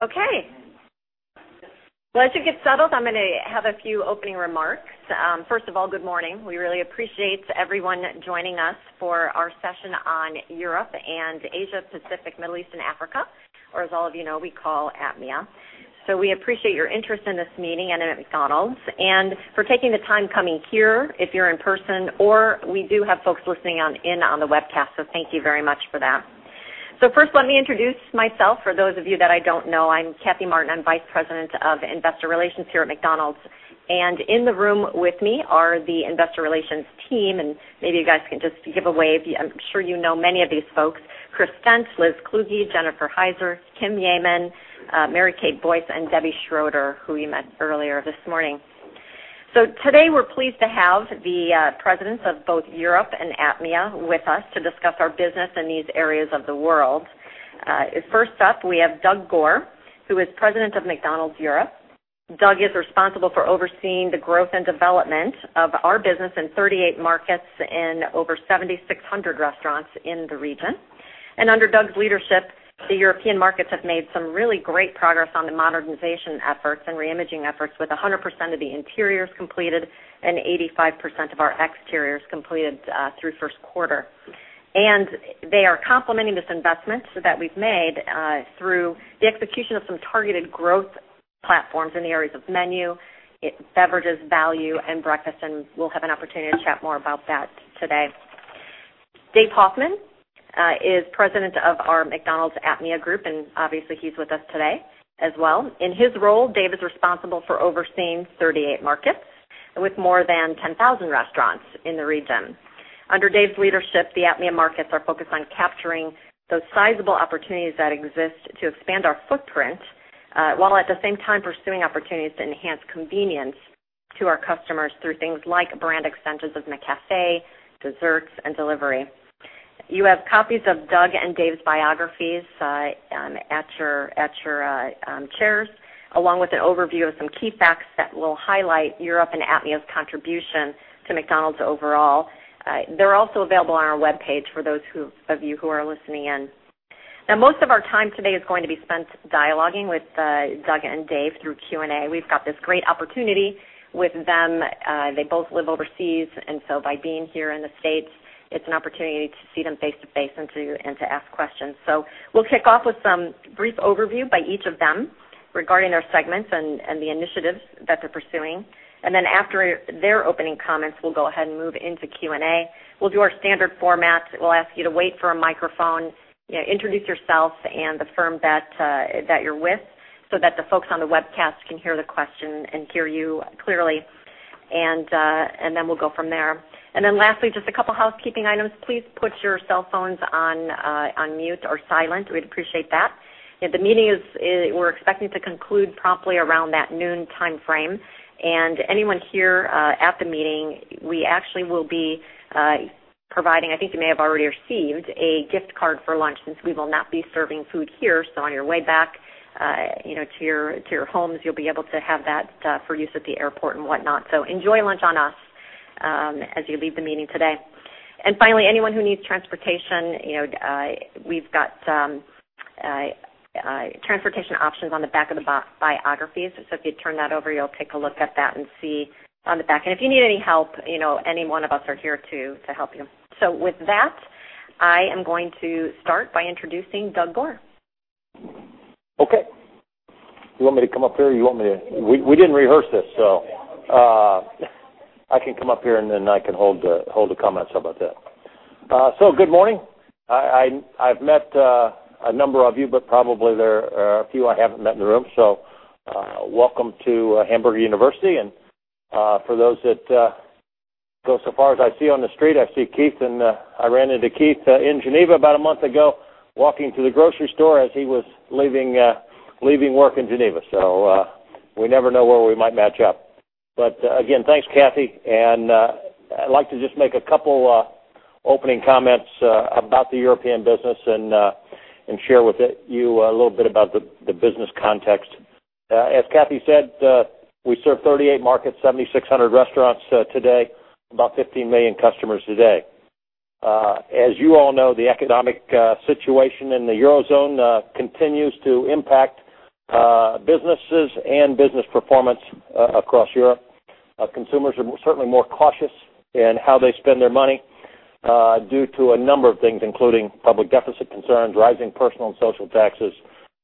Well, as you get settled, I'm going to have a few opening remarks. First of all, good morning. We really appreciate everyone joining us for our session on Europe and Asia/Pacific, Middle East and Africa, or as all of you know, we call APMEA. We appreciate your interest in this meeting and in McDonald's, and for taking the time coming here if you're in person, or we do have folks listening in on the webcast. Thank you very much for that. First, let me introduce myself. For those of you that I don't know, I'm Kathy Martin. I'm Vice President of Investor Relations here at McDonald's, and in the room with me are the investor relations team, and maybe you guys can just give a wave. I'm sure you know many of these folks, Chris Stentz, Liz Kluge, Jennifer Heiser, Kim Yeaman, Mary Kate Boyce, and Debbie Schroeder, who you met earlier this morning. Today, we're pleased to have the Presidents of both Europe and APMEA with us to discuss our business in these areas of the world. First up, we have Doug Goare, who is President of McDonald's Europe. Doug is responsible for overseeing the growth and development of our business in 38 markets and over 7,600 restaurants in the region. Under Doug's leadership, the European markets have made some really great progress on the modernization efforts and reimaging efforts, with 100% of the interiors completed and 85% of our exteriors completed through first quarter. They are complementing this investment that we've made through the execution of some targeted growth platforms in the areas of menu, beverages, value, and breakfast. We'll have an opportunity to chat more about that today. Dave Hoffmann is President of our McDonald's APMEA group, and obviously, he's with us today as well. In his role, Dave is responsible for overseeing 38 markets with more than 10,000 restaurants in the region. Under Dave's leadership, the APMEA markets are focused on capturing those sizable opportunities that exist to expand our footprint, while at the same time pursuing opportunities to enhance convenience to our customers through things like brand extensions of McCafé, desserts, and delivery. You have copies of Doug and Dave's biographies at your chairs, along with an overview of some key facts that will highlight Europe and APMEA's contribution to McDonald's overall. They're also available on our webpage for those of you who are listening in. Most of our time today is going to be spent dialoguing with Doug and Dave through Q&A. We've got this great opportunity with them. They both live overseas, by being here in the U.S., it's an opportunity to see them face-to-face and to ask questions. We'll kick off with some brief overview by each of them regarding their segments and the initiatives that they're pursuing. After their opening comments, we'll go ahead and move into Q&A. We'll do our standard format. We'll ask you to wait for a microphone, introduce yourself and the firm that you're with, so that the folks on the webcast can hear the question and hear you clearly, and then we'll go from there. Lastly, just a couple housekeeping items. Please put your cell phones on mute or silent. We'd appreciate that. The meeting, we're expecting to conclude promptly around that noon timeframe. Anyone here at the meeting, we actually will be providing, I think you may have already received, a gift card for lunch since we will not be serving food here. On your way back to your homes, you'll be able to have that for use at the airport and whatnot. Enjoy lunch on us as you leave the meeting today. Finally, anyone who needs transportation, we've got transportation options on the back of the biographies. If you turn that over, you'll take a look at that and see on the back. If you need any help, any one of us are here to help you. With that, I am going to start by introducing Doug Goare. Okay. You want me to come up here, or you want me to? We didn't rehearse this, I can come up here, then I can hold the comments. How about that? Good morning. I've met a number of you, but probably there are a few I haven't met in the room. Welcome to Hamburger University, for those that go so far as I see on the street, I see Keith, I ran into Keith in Geneva about a month ago, walking to the grocery store as he was leaving work in Geneva. We never know where we might match up. Again, thanks, Kathy, I'd like to just make a couple opening comments about the European business and share with you a little bit about the business context. As Kathy said, we serve 38 markets, 7,600 restaurants today, about 15 million customers today. As you all know, the economic situation in the Eurozone continues to impact businesses and business performance across Europe. Consumers are certainly more cautious in how they spend their money due to a number of things, including public deficit concerns, rising personal and social taxes,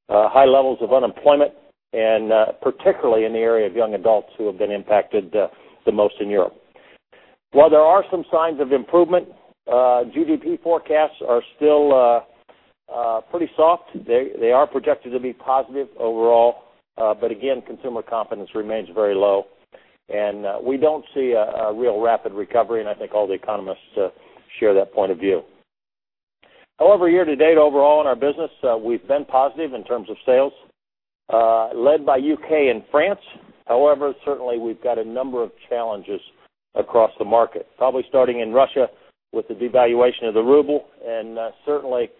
high levels of unemployment, and particularly in the area of young adults who have been impacted the most in Europe. While there are some signs of improvement, GDP forecasts are still pretty soft. They are projected to be positive overall. Again, consumer confidence remains very low, and we don't see a real rapid recovery, I think all the economists share that point of view. However, year to date, overall in our business, we've been positive in terms of sales, led by U.K. and France. However, certainly, we've got a number of challenges across the market. Probably starting in Russia with the devaluation of the ruble and certainly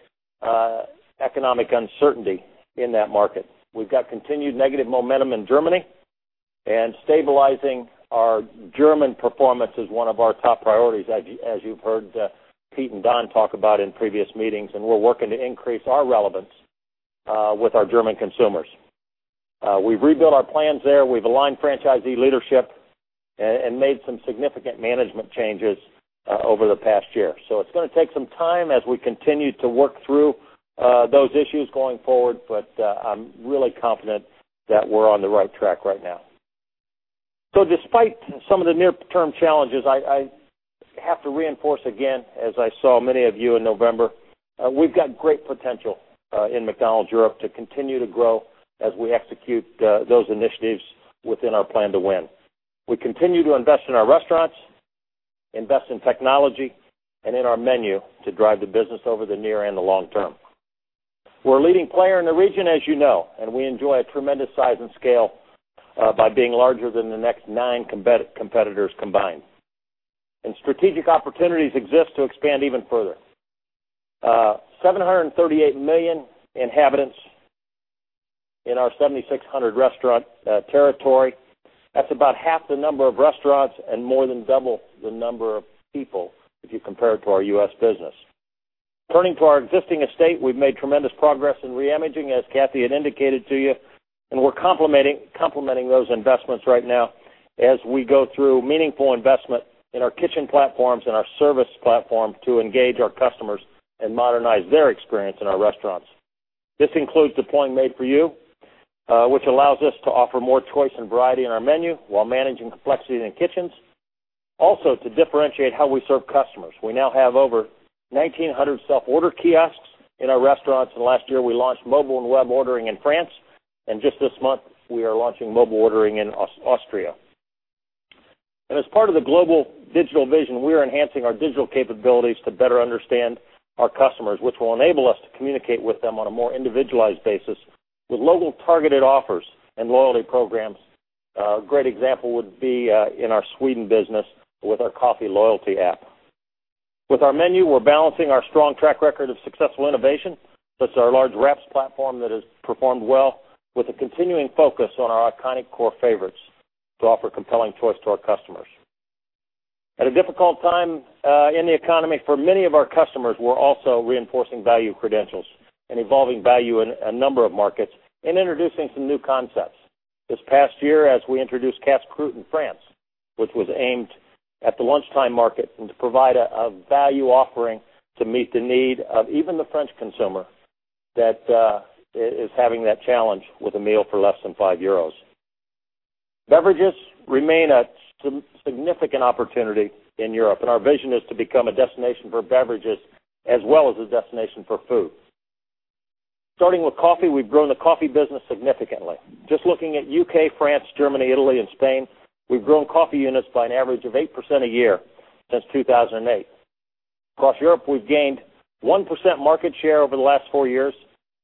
economic uncertainty in that market. We've got continued negative momentum in Germany. Stabilizing our German performance is one of our top priorities, as you've heard Pete and Don talk about in previous meetings, we're working to increase our relevance with our German consumers. We've rebuilt our plans there. We've aligned franchisee leadership and made some significant management changes over the past year. It's going to take some time as we continue to work through those issues going forward, but I'm really confident that we're on the right track right now. Despite some of the near-term challenges, I have to reinforce again, as I saw many of you in November, we've got great potential in McDonald's Europe to continue to grow as we execute those initiatives within our Plan to Win. We continue to invest in our restaurants, invest in technology, and in our menu to drive the business over the near and the long term. We're a leading player in the region, as you know, and we enjoy a tremendous size and scale by being larger than the next nine competitors combined. Strategic opportunities exist to expand even further. 738 million inhabitants in our 7,600 restaurant territory. That's about half the number of restaurants and more than double the number of people if you compare it to our U.S. business. Turning to our existing estate, we've made tremendous progress in reimaging, as Kathy had indicated to you, and we're complementing those investments right now as we go through meaningful investment in our kitchen platforms and our service platform to engage our customers and modernize their experience in our restaurants. This includes deploying Made For You, which allows us to offer more choice and variety in our menu while managing complexity in the kitchens. Also, to differentiate how we serve customers. We now have over 1,900 self-order kiosks in our restaurants, and last year we launched mobile and web ordering in France, and just this month, we are launching mobile ordering in Austria. As part of the global digital vision, we are enhancing our digital capabilities to better understand our customers, which will enable us to communicate with them on a more individualized basis with local targeted offers and loyalty programs. A great example would be in our Sweden business with our coffee loyalty app. With our menu, we're balancing our strong track record of successful innovation. Plus our large wraps platform that has performed well with a continuing focus on our iconic core favorites to offer compelling choice to our customers. At a difficult time in the economy for many of our customers, we're also reinforcing value credentials and evolving value in a number of markets and introducing some new concepts. This past year, as we introduced Casse-croûte in France, which was aimed at the lunchtime market and to provide a value offering to meet the need of even the French consumer that is having that challenge with a meal for less than 5 euros. Beverages remain a significant opportunity in Europe, and our vision is to become a destination for beverages as well as a destination for food. Starting with coffee, we've grown the coffee business significantly. Just looking at U.K., France, Germany, Italy, and Spain, we've grown coffee units by an average of 8% a year since 2008. Across Europe, we've gained 1% market share over the last four years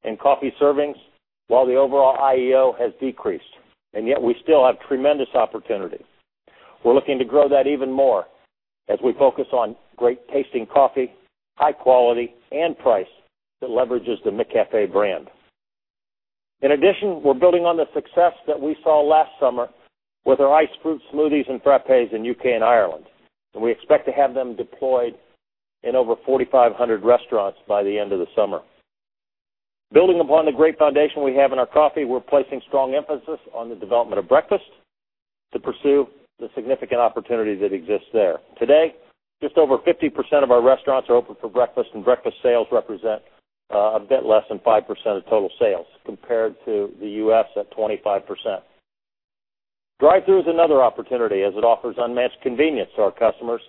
in coffee servings while the overall IEO has decreased, and yet we still have tremendous opportunity. We're looking to grow that even more as we focus on great-tasting coffee, high quality, and price that leverages the McCafé brand. In addition, we're building on the success that we saw last summer with our iced fruit smoothies and frappes in U.K. and Ireland, and we expect to have them deployed in over 4,500 restaurants by the end of the summer. Building upon the great foundation we have in our coffee, we're placing strong emphasis on the development of breakfast to pursue the significant opportunity that exists there. Today, just over 50% of our restaurants are open for breakfast, and breakfast sales represent a bit less than 5% of total sales compared to the U.S. at 25%. Drive-thru is another opportunity as it offers unmatched convenience to our customers,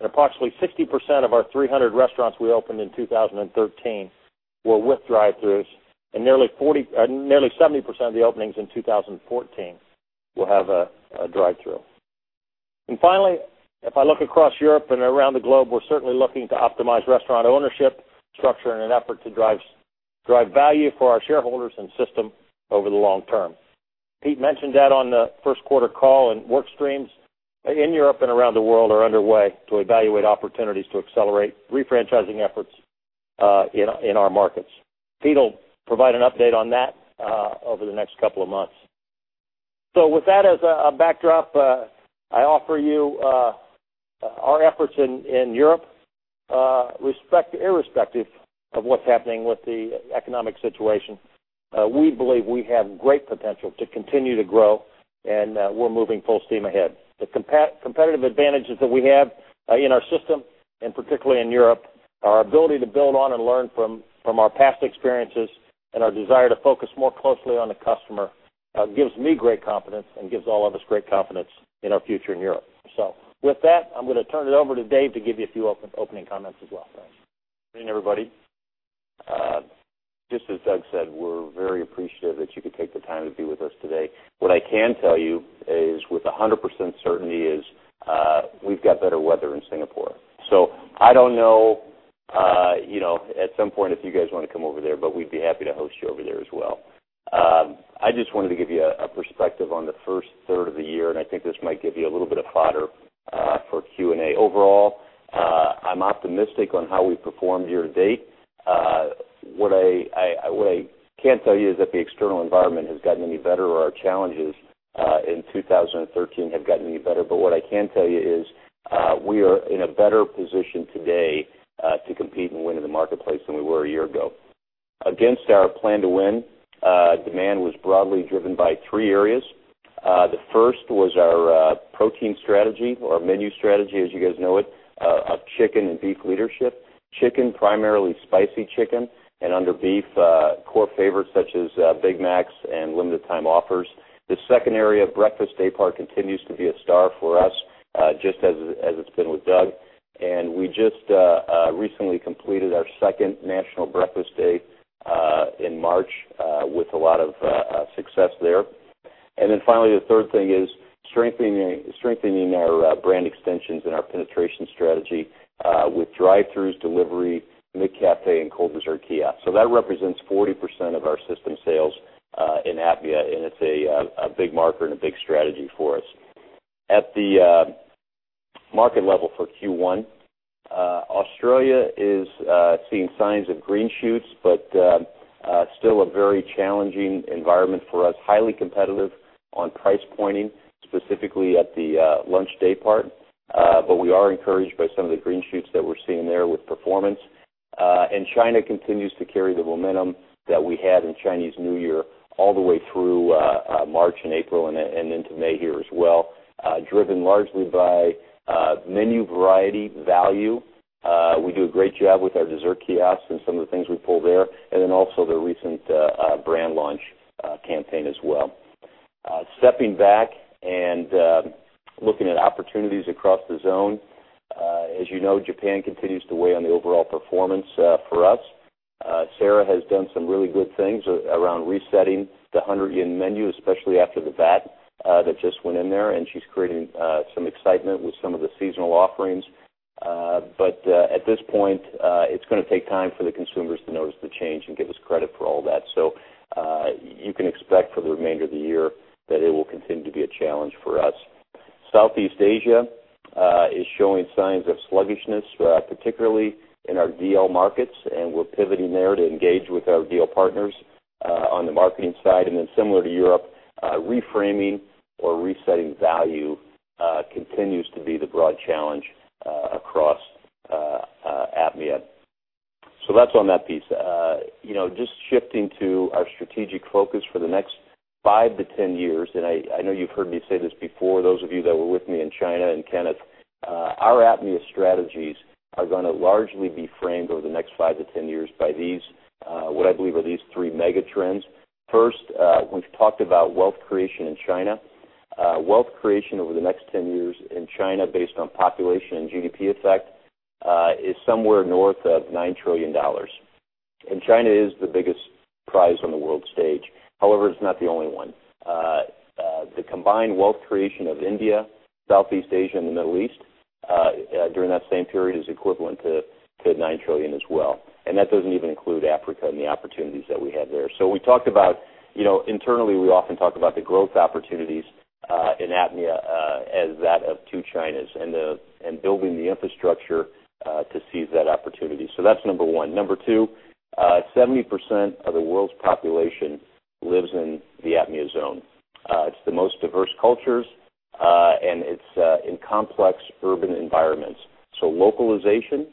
and approximately 60% of our 300 restaurants we opened in 2013 were with drive-thrus, and nearly 70% of the openings in 2014 will have a drive-thru. Finally, if I look across Europe and around the globe, we're certainly looking to optimize restaurant ownership structure in an effort to drive value for our shareholders and system over the long term. Pete mentioned that on the first quarter call and work streams in Europe and around the world are underway to evaluate opportunities to accelerate refranchising efforts in our markets. Pete will provide an update on that over the next couple of months. With that as a backdrop, I offer you our efforts in Europe irrespective of what's happening with the economic situation. We believe we have great potential to continue to grow, and we're moving full steam ahead. The competitive advantages that we have in our system, and particularly in Europe, our ability to build on and learn from our past experiences and our desire to focus more closely on the customer gives me great confidence and gives all of us great confidence in our future in Europe. With that, I'm going to turn it over to Dave to give you a few opening comments as well. Thanks. Good evening, everybody. Just as Doug said, we're very appreciative that you could take the time to be with us today. What I can tell you is with 100% certainty is we've got better weather in Singapore. I don't know at some point if you guys want to come over there, but we'd be happy to host you over there as well. I just wanted to give you a perspective on the first third of the year, and I think this might give you a little bit of fodder for Q&A. Overall, I'm optimistic on how we performed year-to-date. What I can't tell you is that the external environment has gotten any better or our challenges in 2013 have gotten any better. What I can tell you is we are in a better position today to compete and win in the marketplace than we were a year ago. Against our Plan to Win, demand was broadly driven by three areas. The first was our protein strategy, or our menu strategy, as you guys know it, of chicken and beef leadership. Chicken, primarily spicy chicken, and under beef, core favorites such as Big Macs and limited time offers. The second area, breakfast daypart, continues to be a star for us, just as it's been with Doug. We just recently completed our second National Breakfast Day in March, with a lot of success there. Finally, the third thing is strengthening our brand extensions and our penetration strategy with drive-throughs, delivery, McCafé, and cold dessert kiosks. That represents 40% of our system sales in APMEA, and it's a big marker and a big strategy for us. At the market level for Q1, Australia is seeing signs of green shoots, but still a very challenging environment for us. Highly competitive on price pointing, specifically at the lunch daypart. We are encouraged by some of the green shoots that we're seeing there with performance. China continues to carry the momentum that we had in Chinese New Year all the way through March and April and into May here as well, driven largely by menu variety, value. We do a great job with our dessert kiosks and some of the things we pull there, and also the recent brand launch campaign as well. Stepping back and looking at opportunities across the zone. As you know, Japan continues to weigh on the overall performance for us. Sarah has done some really good things around resetting the 100 yen menu, especially after the VAT that just went in there, and she's creating some excitement with some of the seasonal offerings. At this point, it's going to take time for the consumers to notice the change and give us credit for all that. You can expect for the remainder of the year that it will continue to be a challenge for us. Southeast Asia is showing signs of sluggishness, particularly in our DL markets, and we're pivoting there to engage with our DL partners on the marketing side. Similar to Europe, reframing or resetting value continues to be the broad challenge across APMEA. That's on that piece. Just shifting to our strategic focus for the next five to 10 years, and I know you've heard me say this before, those of you that were with me in China and Kenneth. Our APMEA strategies are going to largely be framed over the next five to 10 years by what I believe are these three mega trends. First, we've talked about wealth creation in China. Wealth creation over the next 10 years in China, based on population and GDP effect, is somewhere north of $9 trillion. China is the biggest prize on the world stage. However, it's not the only one. The combined wealth creation of India, Southeast Asia, and the Middle East during that same period is equivalent to $9 trillion as well. That doesn't even include Africa and the opportunities that we have there. Internally, we often talk about the growth opportunities in APMEA as that of two Chinas and building the infrastructure to seize that opportunity. That's number one. Number two, 70% of the world's population lives in the APMEA zone. It's the most diverse cultures, and it's in complex urban environments. Localization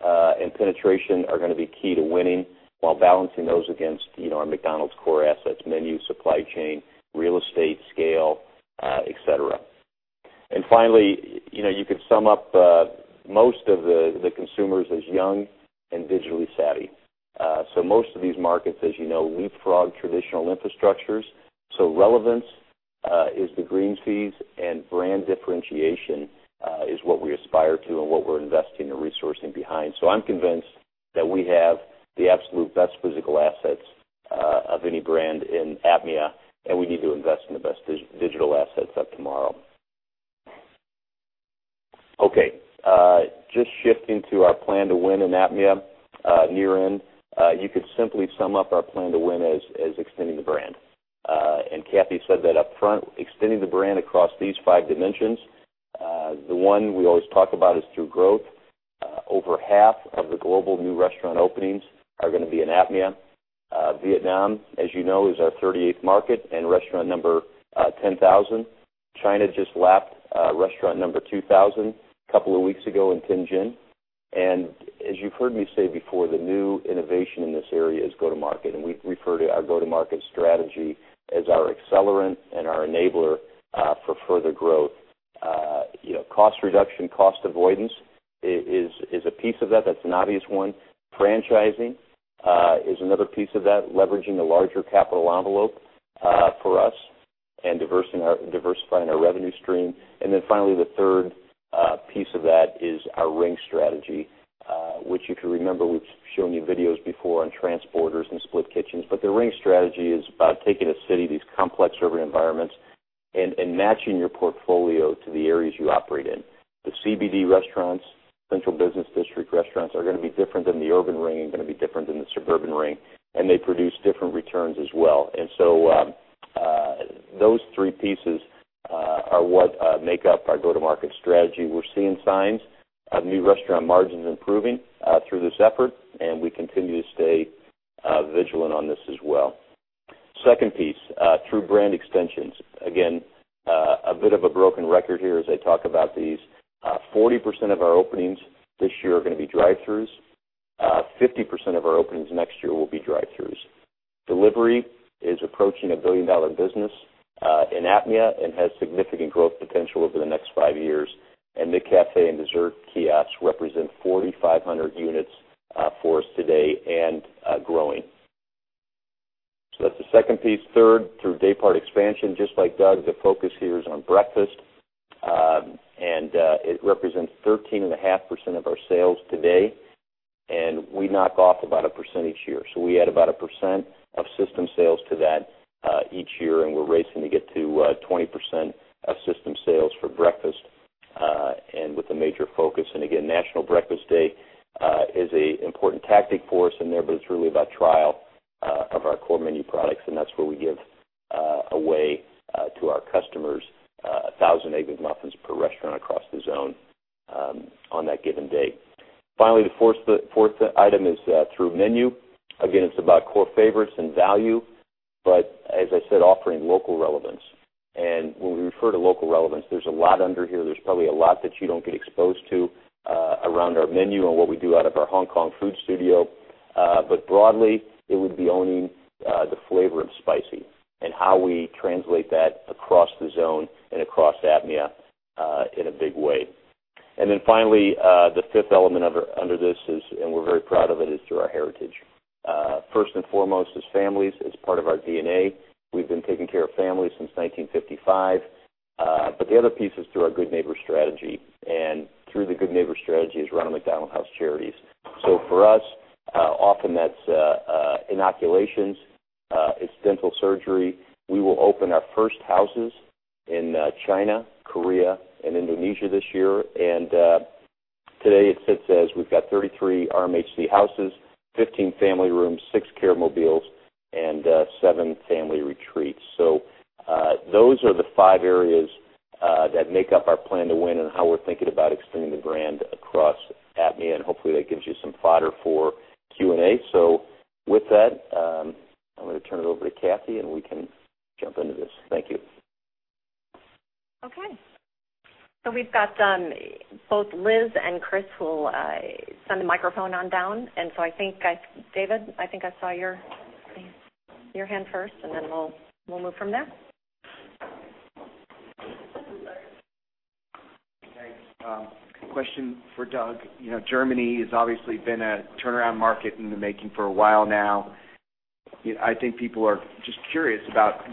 and penetration are going to be key to winning while balancing those against our McDonald's core assets, menu, supply chain, real estate, scale, et cetera. Finally, you could sum up most of the consumers as young and digitally savvy. Most of these markets, as you know, leapfrog traditional infrastructures. Relevance is the green shoots and brand differentiation is what we aspire to and what we're investing and resourcing behind. I'm convinced that we have the absolute best physical assets of any brand in APMEA, and we need to invest in the best digital assets of tomorrow. Just shifting to our Plan to Win in APMEA year-end. You could simply sum up our Plan to Win as extending the brand. Kathy said that up front, extending the brand across these five dimensions. The one we always talk about is through growth. Over half of the global new restaurant openings are going to be in APMEA. Vietnam, as you know, is our 38th market and restaurant number 10,000. China just lapped restaurant number 2,000 a couple of weeks ago in Tianjin. As you've heard me say before, the new innovation in this area is go-to-market, and we refer to our go-to-market strategy as our accelerant and our enabler for further growth. Cost reduction, cost avoidance is a piece of that. That's an obvious one. Franchising is another piece of that, leveraging a larger capital envelope for us and diversifying our revenue stream. Finally, the third piece of that is our ring strategy, which if you remember, we've shown you videos before on transporters and split kitchens. The ring strategy is about taking a city, these complex urban environments, and matching your portfolio to the areas you operate in. The CBD restaurants, central business district restaurants, are going to be different than the urban ring and going to be different than the suburban ring, and they produce different returns as well. Those three pieces are what make up our go-to-market strategy. We're seeing signs of new restaurant margins improving through this effort, and we continue to stay vigilant on this as well. Second piece, through brand extensions. Again, a bit of a broken record here as I talk about these. 40% of our openings this year are going to be drive-throughs. 50% of our openings next year will be drive-throughs. Delivery is approaching a billion-dollar business in APMEA and has significant growth potential over the next five years. McCafé and dessert kiosks represent 4,500 units for us today and growing. That's the second piece. Third, through daypart expansion. Just like Doug, the focus here is on breakfast, and it represents 13.5% of our sales today, and we knock off about 1% each year. We add about 1% of system sales to that each year, and we're racing to get to 20% of system sales for breakfast, and with a major focus. Again, National Breakfast Day is an important tactic for us in there, but it's really about trial of our core menu products, and that's where we give away to our customers, 1,000 Egg McMuffins per restaurant across the zone on that given day. Finally, the fourth item is through menu. Again, it's about core favorites and value. As I said, offering local relevance. When we refer to local relevance, there's a lot under here. There's probably a lot that you don't get exposed to around our menu and what we do out of our Hong Kong food studio. Broadly, it would be owning the flavor of spicy and how we translate that across the zone and across APMEA in a big way. Finally, the fifth element under this is, and we're very proud of it, is through our heritage. First and foremost is families as part of our DNA. We've been taking care of families since 1955. The other piece is through our Good Neighbor strategy, and through the Good Neighbor strategy is Ronald McDonald House Charities. For us, often that's inoculations, it's dental surgery. We will open our first houses in China, Korea, and Indonesia this year. Today it sits as we've got 33 RMHC houses, 15 family rooms, six Care Mobiles, and seven family retreats. Those are the five areas that make up our Plan to Win and how we're thinking about extending the brand across APMEA, and hopefully that gives you some fodder for Q&A. With that, I'm going to turn it over to Kathy, and we can jump into this. Thank you. Okay. We've got both Liz and Chris who will send the microphone on down. I think, Dave, I think I saw your hand first, and then we'll move from there. Thanks. Question for Doug. Germany has obviously been a turnaround market in the making for a while now. I think people are just curious about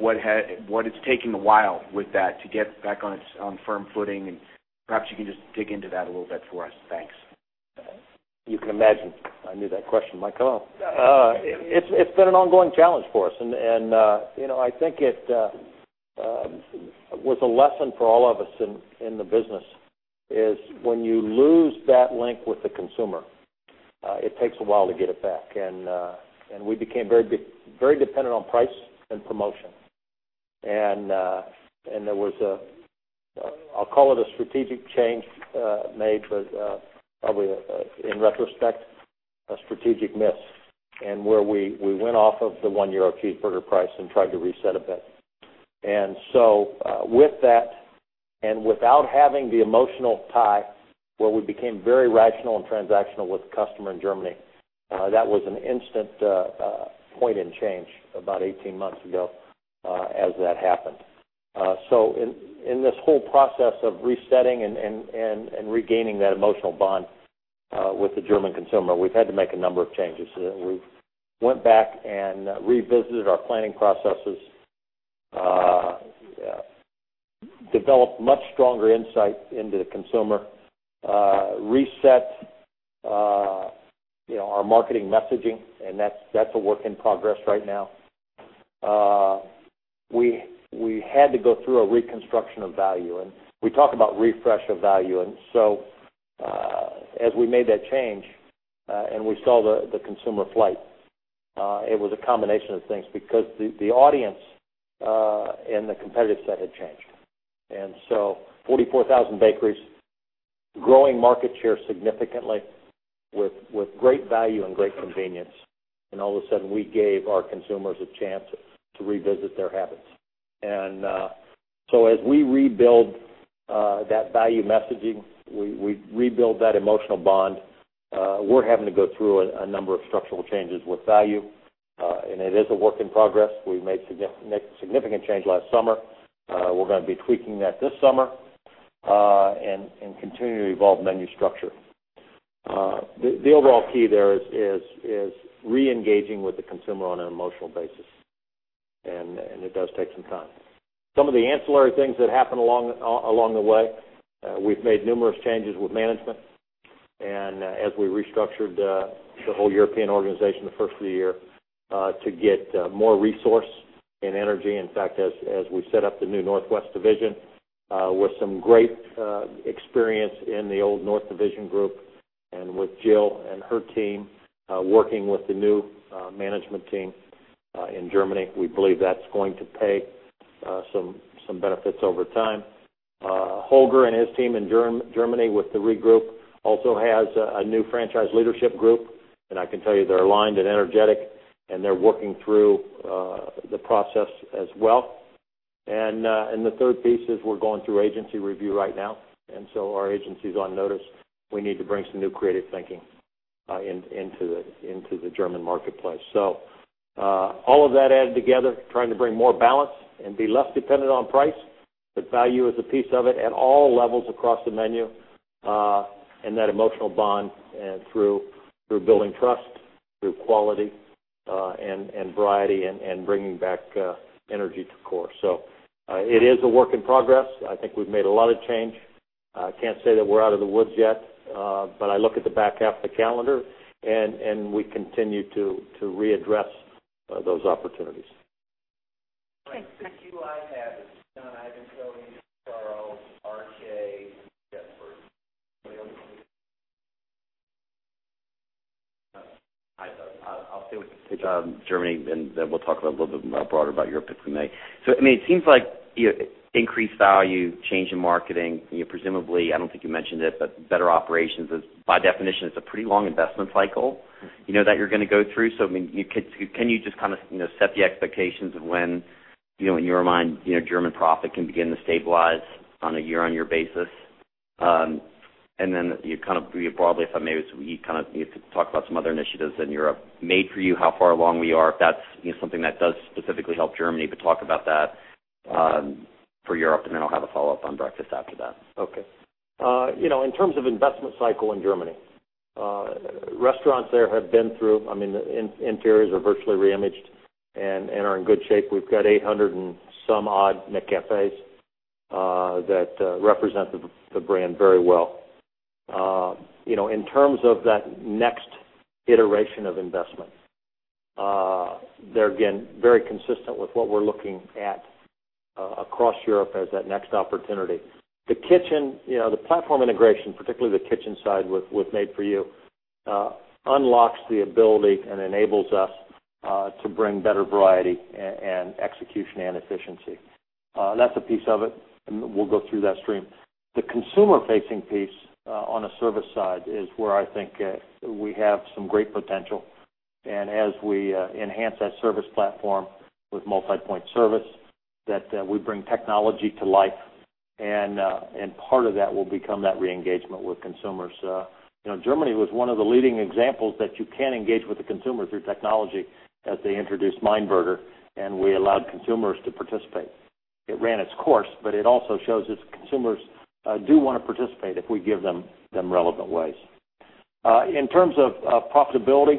what it's taking a while with that to get back on firm footing, and perhaps you can just dig into that a little bit for us. Thanks. You can imagine I knew that question might come up. It's been an ongoing challenge for us. I think it was a lesson for all of us in the business is when you lose that link with the consumer, it takes a while to get it back, and we became very dependent on price and promotion. There was a, I'll call it a strategic change made, but probably in retrospect, a strategic miss. Where we went off of the one EUR cheeseburger price and tried to reset a bit. With that, and without having the emotional tie, where we became very rational and transactional with the customer in Germany, that was an instant point in change about 18 months ago as that happened. In this whole process of resetting and regaining that emotional bond with the German consumer, we've had to make a number of changes. We went back and revisited our planning processes, developed much stronger insight into the consumer, reset our marketing messaging, and that's a work in progress right now. We had to go through a reconstruction of value, and we talk about refresh of value. As we made that change, and we saw the consumer flight, it was a combination of things because the audience and the competitive set had changed. 44,000 bakeries, growing market share significantly with great value and great convenience. All of a sudden, we gave our consumers a chance to revisit their habits. As we rebuild that value messaging, we rebuild that emotional bond. We're having to go through a number of structural changes with value, and it is a work in progress. We made significant change last summer. We're going to be tweaking that this summer, and continue to evolve menu structure. The overall key there is re-engaging with the consumer on an emotional basis, and it does take some time. Some of the ancillary things that happened along the way, we've made numerous changes with management, and as we restructured the whole European organization the first of the year to get more resource and energy. In fact, as we set up the new Northwest division With some great experience in the old North Division group and with Jill and her team working with the new management team in Germany, we believe that's going to pay some benefits over time. Holger and his team in Germany with the regroup also has a new franchise leadership group, and I can tell you they're aligned and energetic, and they're working through the process as well. The third piece is we're going through agency review right now, and so our agency's on notice. We need to bring some new creative thinking into the German marketplace. All of that added together, trying to bring more balance and be less dependent on price, but value is a piece of it at all levels across the menu, and that emotional bond and through building trust, through quality and variety and bringing back energy to core. It is a work in progress. I think we've made a lot of change. I can't say that we're out of the woods yet, but I look at the back half of the calendar, and we continue to readdress those opportunities. Thanks. The queue I have is John Ivankoe, Carl, RJ, Jeff Bernstein. Anybody else? No. I'll stay with John. Germany, then we'll talk a little bit more broader about Europe if we may. It seems like increased value, change in marketing, presumably, I don't think you mentioned it, but better operations is by definition, it's a pretty long investment cycle that you're going to go through. Can you just set the expectations of when, in your mind, German profit can begin to stabilize on a year-on-year basis? Then you broadly, if maybe we need to talk about some other initiatives in Europe. Made For You, how far along we are, if that's something that does specifically help Germany, but talk about that for Europe, then I'll have a follow-up on breakfast after that. Okay. In terms of investment cycle in Germany, restaurants there have been through, the interiors are virtually re-imaged and are in good shape. We've got 800 and some odd McCafés that represent the brand very well. In terms of that next iteration of investment, they're again, very consistent with what we're looking at across Europe as that next opportunity. The platform integration, particularly the kitchen side with Made For You unlocks the ability and enables us to bring better variety and execution and efficiency. That's a piece of it, and we'll go through that stream. The consumer-facing piece on a service side is where I think we have some great potential, and as we enhance that service platform with multi-point service, that we bring technology to life, and part of that will become that re-engagement with consumers. Germany was one of the leading examples that you can engage with the consumer through technology as they introduced Mein Burger, and we allowed consumers to participate. It ran its course, but it also shows that consumers do want to participate if we give them relevant ways. In terms of profitability,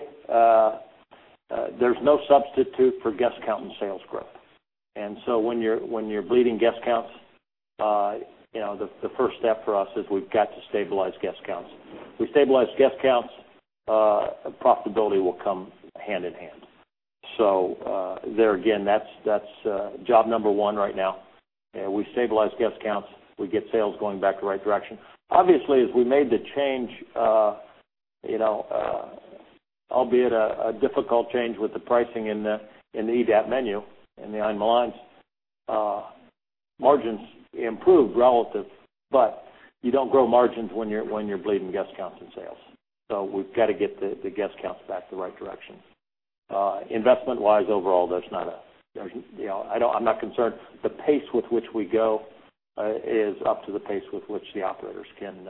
there's no substitute for guest count and sales growth. When you're bleeding guest counts, the first step for us is we've got to stabilize guest counts. We stabilize guest counts, profitability will come hand in hand. There again, that's job number one right now. We stabilize guest counts, we get sales going back the right direction. Obviously, as we made the change, albeit a difficult change with the pricing in the EAT menu, in the Einmal Eins, margins improved relative, but you don't grow margins when you're bleeding guest counts and sales. We've got to get the guest counts back the right direction. Investment-wise, overall, I'm not concerned. The pace with which we go is up to the pace with which the operators can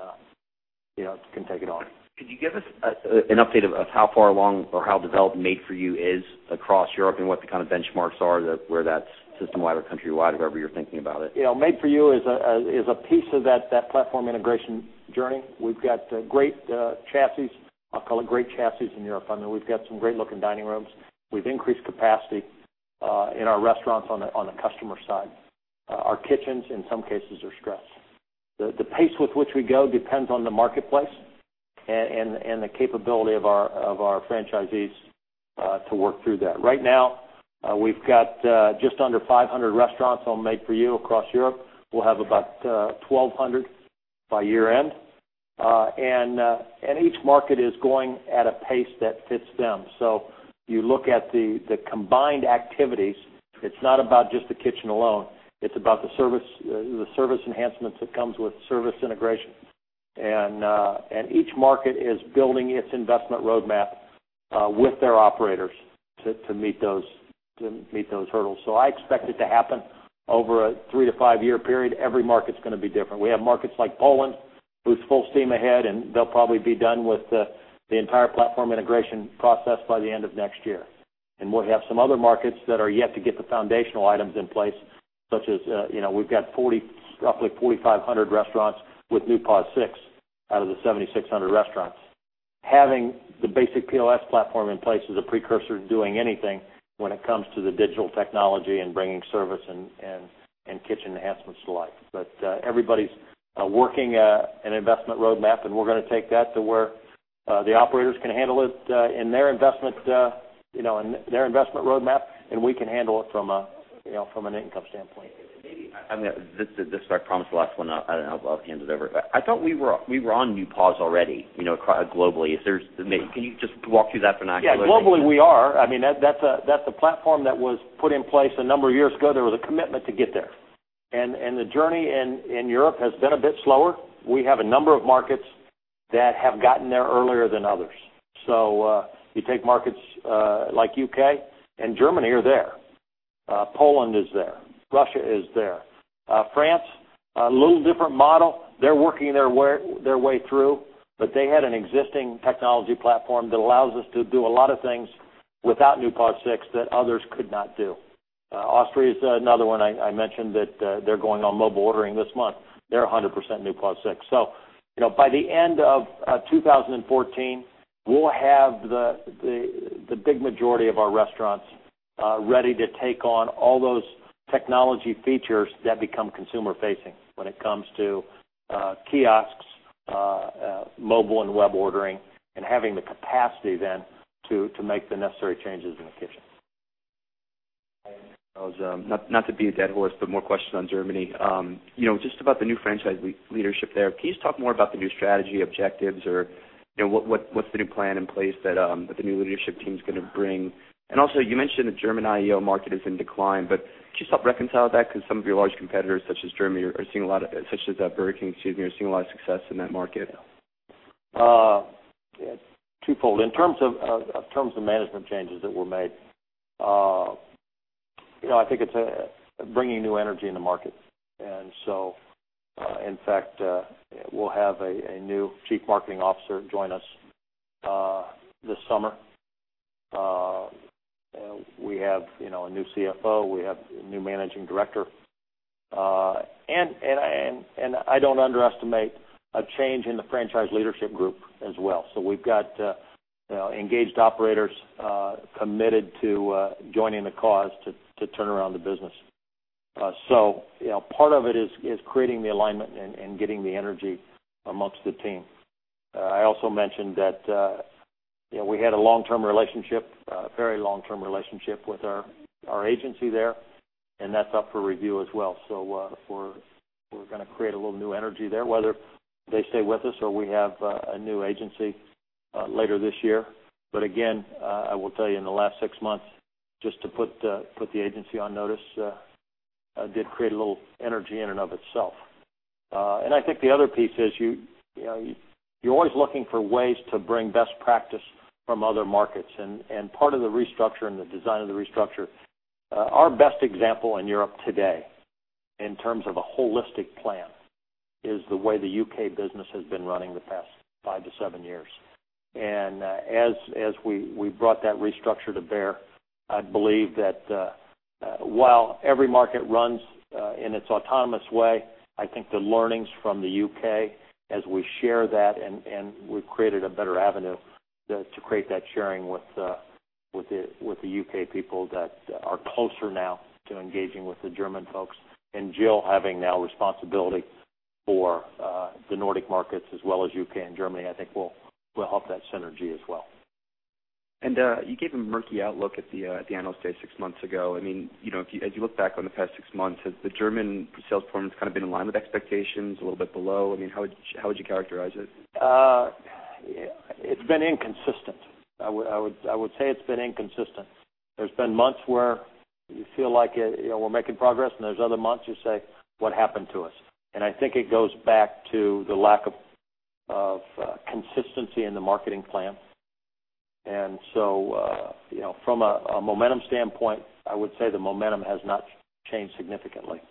take it on. Could you give us an update of how far along or how developed Made For You is across Europe and what the kind of benchmarks are that where that's system-wide or country-wide, however you're thinking about it? Made For You is a piece of that platform integration journey. We've got great chassis. I'll call it great chassis in Europe. I mean, we've got some great-looking dining rooms. We've increased capacity in our restaurants on the customer side. Our kitchens, in some cases, are stretched. The pace with which we go depends on the marketplace and the capability of our franchisees to work through that. Right now, we've got just under 500 restaurants on Made For You across Europe. We'll have about 1,200 by year-end. Each market is going at a pace that fits them. You look at the combined activities, it's not about just the kitchen alone. It's about the service enhancements that comes with service integration. Each market is building its investment roadmap with their operators to meet those hurdles. I expect it to happen over a three to five-year period. Every market's going to be different. We have markets like Poland, who's full steam ahead, and they'll probably be done with the entire platform integration process by the end of next year. We'll have some other markets that are yet to get the foundational items in place, such as we've got roughly 4,500 restaurants with NewPOS 6 out of the 7,600 restaurants. Having the basic POS platform in place is a precursor to doing anything when it comes to the digital technology and bringing service and kitchen enhancements to life. Everybody's working an investment roadmap, and we're going to take that to where the operators can handle it in their investment roadmap, and we can handle it from an income standpoint. Maybe, this is I promise the last one. I don't know. I'll hand it over. I thought we were on NewPOS already globally. Can you just walk through that vernacular a little bit? Yeah, globally we are. That's a platform that was put in place a number of years ago. There was a commitment to get there, and the journey in Europe has been a bit slower. We have a number of markets that have gotten there earlier than others. You take markets like U.K. and Germany are there. Poland is there, Russia is there. France, a little different model. They're working their way through, but they had an existing technology platform that allows us to do a lot of things without NewPOS 6 that others could not do. Austria is another one I mentioned that they're going on mobile ordering this month. They're 100% NewPOS 6. By the end of 2014, we'll have the big majority of our restaurants ready to take on all those technology features that become consumer-facing when it comes to kiosks, mobile and web ordering, and having the capacity then to make the necessary changes in the kitchen. Not to beat a dead horse, more questions on Germany. Just about the new franchise leadership there. Can you just talk more about the new strategy objectives, or what's the new plan in place that the new leadership team is going to bring? Also, you mentioned the German IEO market is in decline, but could you help reconcile that because some of your large competitors, such as Burger King, excuse me, are seeing a lot of success in that market. Twofold. In terms of management changes that were made, I think it's bringing new energy in the market. In fact, we'll have a new Chief Marketing Officer join us this summer. We have a new CFO. We have a new Managing Director. I don't underestimate a change in the franchise leadership group as well. We've got engaged operators committed to joining the cause to turn around the business. Part of it is creating the alignment and getting the energy amongst the team. I also mentioned that we had a long-term relationship, a very long-term relationship with our agency there, and that's up for review as well. We're going to create a little new energy there, whether they stay with us or we have a new agency later this year. Again, I will tell you, in the last six months, just to put the agency on notice, did create a little energy in and of itself. I think the other piece is you're always looking for ways to bring best practice from other markets, and part of the restructure and the design of the restructure. Our best example in Europe today in terms of a holistic plan is the way the U.K. business has been running the past five to seven years. As we brought that restructure to bear, I believe that while every market runs in its autonomous way, I think the learnings from the U.K. as we share that, and we've created a better avenue to create that sharing with the U.K. people that are closer now to engaging with the German folks. Jill having now responsibility for the Nordic markets as well as U.K. and Germany, I think will help that synergy as well. You gave a murky outlook at the Analyst Day six months ago. As you look back on the past six months, has the German sales performance kind of been in line with expectations, a little bit below? How would you characterize it? It's been inconsistent. I would say it's been inconsistent. There's been months where you feel like we're making progress, and there's other months you say, "What happened to us?" I think it goes back to the lack of consistency in the marketing plan. From a momentum standpoint, I would say the momentum has not changed significantly.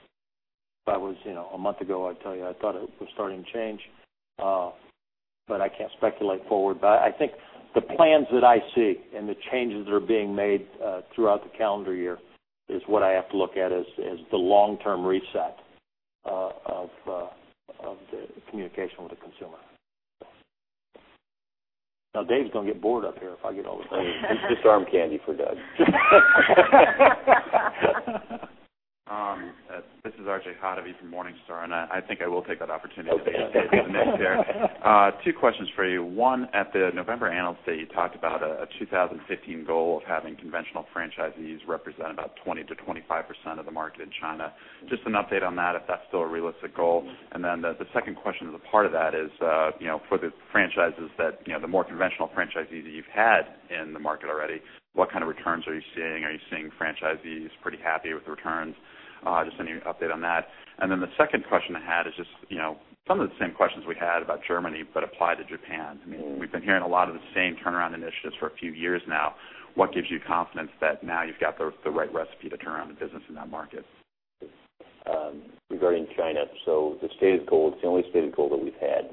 A month ago, I'd tell you I thought it was starting to change, I can't speculate forward. I think the plans that I see and the changes that are being made throughout the calendar year is what I have to look at as the long-term reset of the communication with the consumer. Dave's going to get bored up here if I get all the questions. It's just arm candy for Doug. This is RJ Hottovy from Morningstar, I think I will take that opportunity to get in there. Okay. Two questions for you. One, at the November Analyst Day, you talked about a 2015 goal of having conventional franchisees represent about 20%-25% of the market in China. Just an update on that, if that's still a realistic goal. The second question as a part of that is for the franchises that, the more conventional franchisees that you've had in the market already, what kind of returns are you seeing? Are you seeing franchisees pretty happy with the returns? Just any update on that. The second question I had is just some of the same questions we had about Germany, but apply to Japan. We've been hearing a lot of the same turnaround initiatives for a few years now. What gives you confidence that now you've got the right recipe to turn around the business in that market? Regarding China, the stated goal, it's the only stated goal that we've had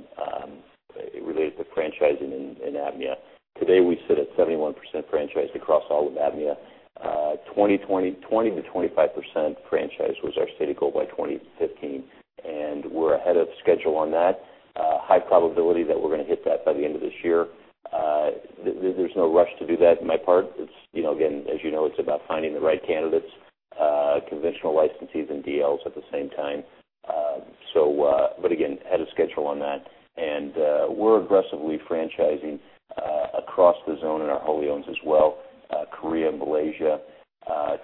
related to franchising in APMEA. Today, we sit at 71% franchised across all of APMEA. 20%-25% franchise was our stated goal by 2015, we're ahead of schedule on that. High probability that we're going to hit that by the end of this year. There's no rush to do that on my part. As you know, it's about finding the right candidates, conventional licensees and DLs at the same time. Ahead of schedule on that. We're aggressively franchising across the zone in our wholly-owned as well. Korea, Malaysia.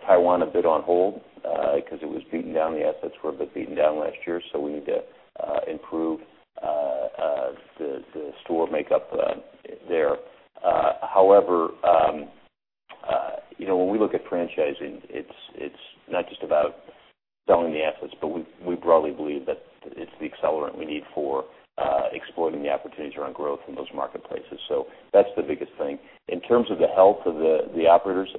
Taiwan a bit on hold because the assets were a bit beaten down last year, we need to improve the store makeup there. When we look at franchising, it's not just about selling the assets, but we broadly believe that it's the accelerant we need for exploiting the opportunities around growth in those marketplaces. That's the biggest thing. In terms of the health of the operators,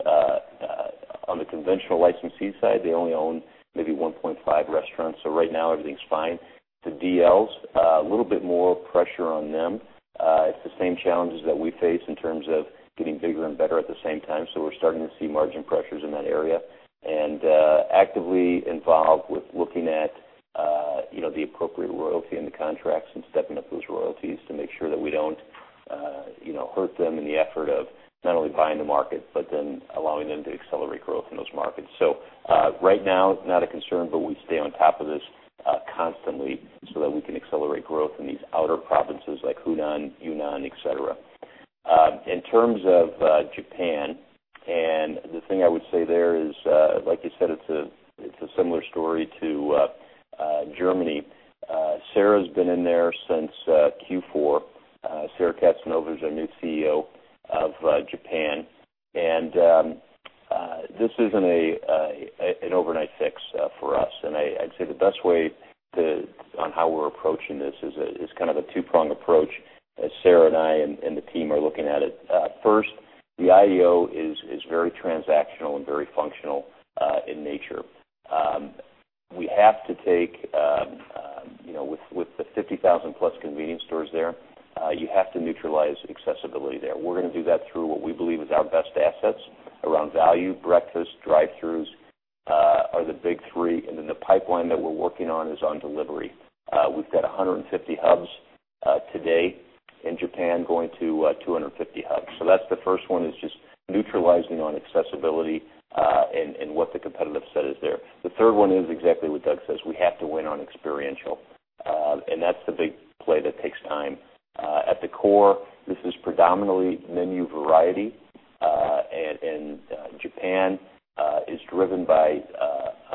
on the conventional licensee side, they only own maybe 1.5 restaurants. Right now everything's fine. The DLs, a little bit more pressure on them. It's the same challenges that we face in terms of getting bigger and better at the same time, we're starting to see margin pressures in that area. Actively involved with looking at the appropriate royalty in the contracts and stepping up those royalties to make sure that we don't hurt them in the effort of not only buying the market, allowing them to accelerate growth in those markets. Right now, not a concern, we stay on top of this constantly so that we can accelerate growth in these outer provinces like Hunan, Yunnan, et cetera. In terms of Japan, the thing I would say there is, like you said, it's a similar story to Germany. Sarah's been in there since Q4. Sarah Casanova is our new CEO of Japan. This isn't an overnight fix for us. I'd say the best way on how we're approaching this is kind of a two-pronged approach as Sarah and I and the team are looking at it. First, the IEO is very transactional and very functional in nature. With the 50,000-plus convenience stores there, you have to neutralize accessibility there. We're going to do that through what we believe is our best assets around value. Breakfast, drive-throughs are the big three, then the pipeline that we're working on is on delivery. We've got 150 hubs today in Japan going to 250 hubs. That's the first one, is just neutralizing on accessibility and what the competitive set is there. The third one is exactly what Doug says. We have to win on experiential. That's the big play that takes time. At the core, this is predominantly menu variety. Japan is driven by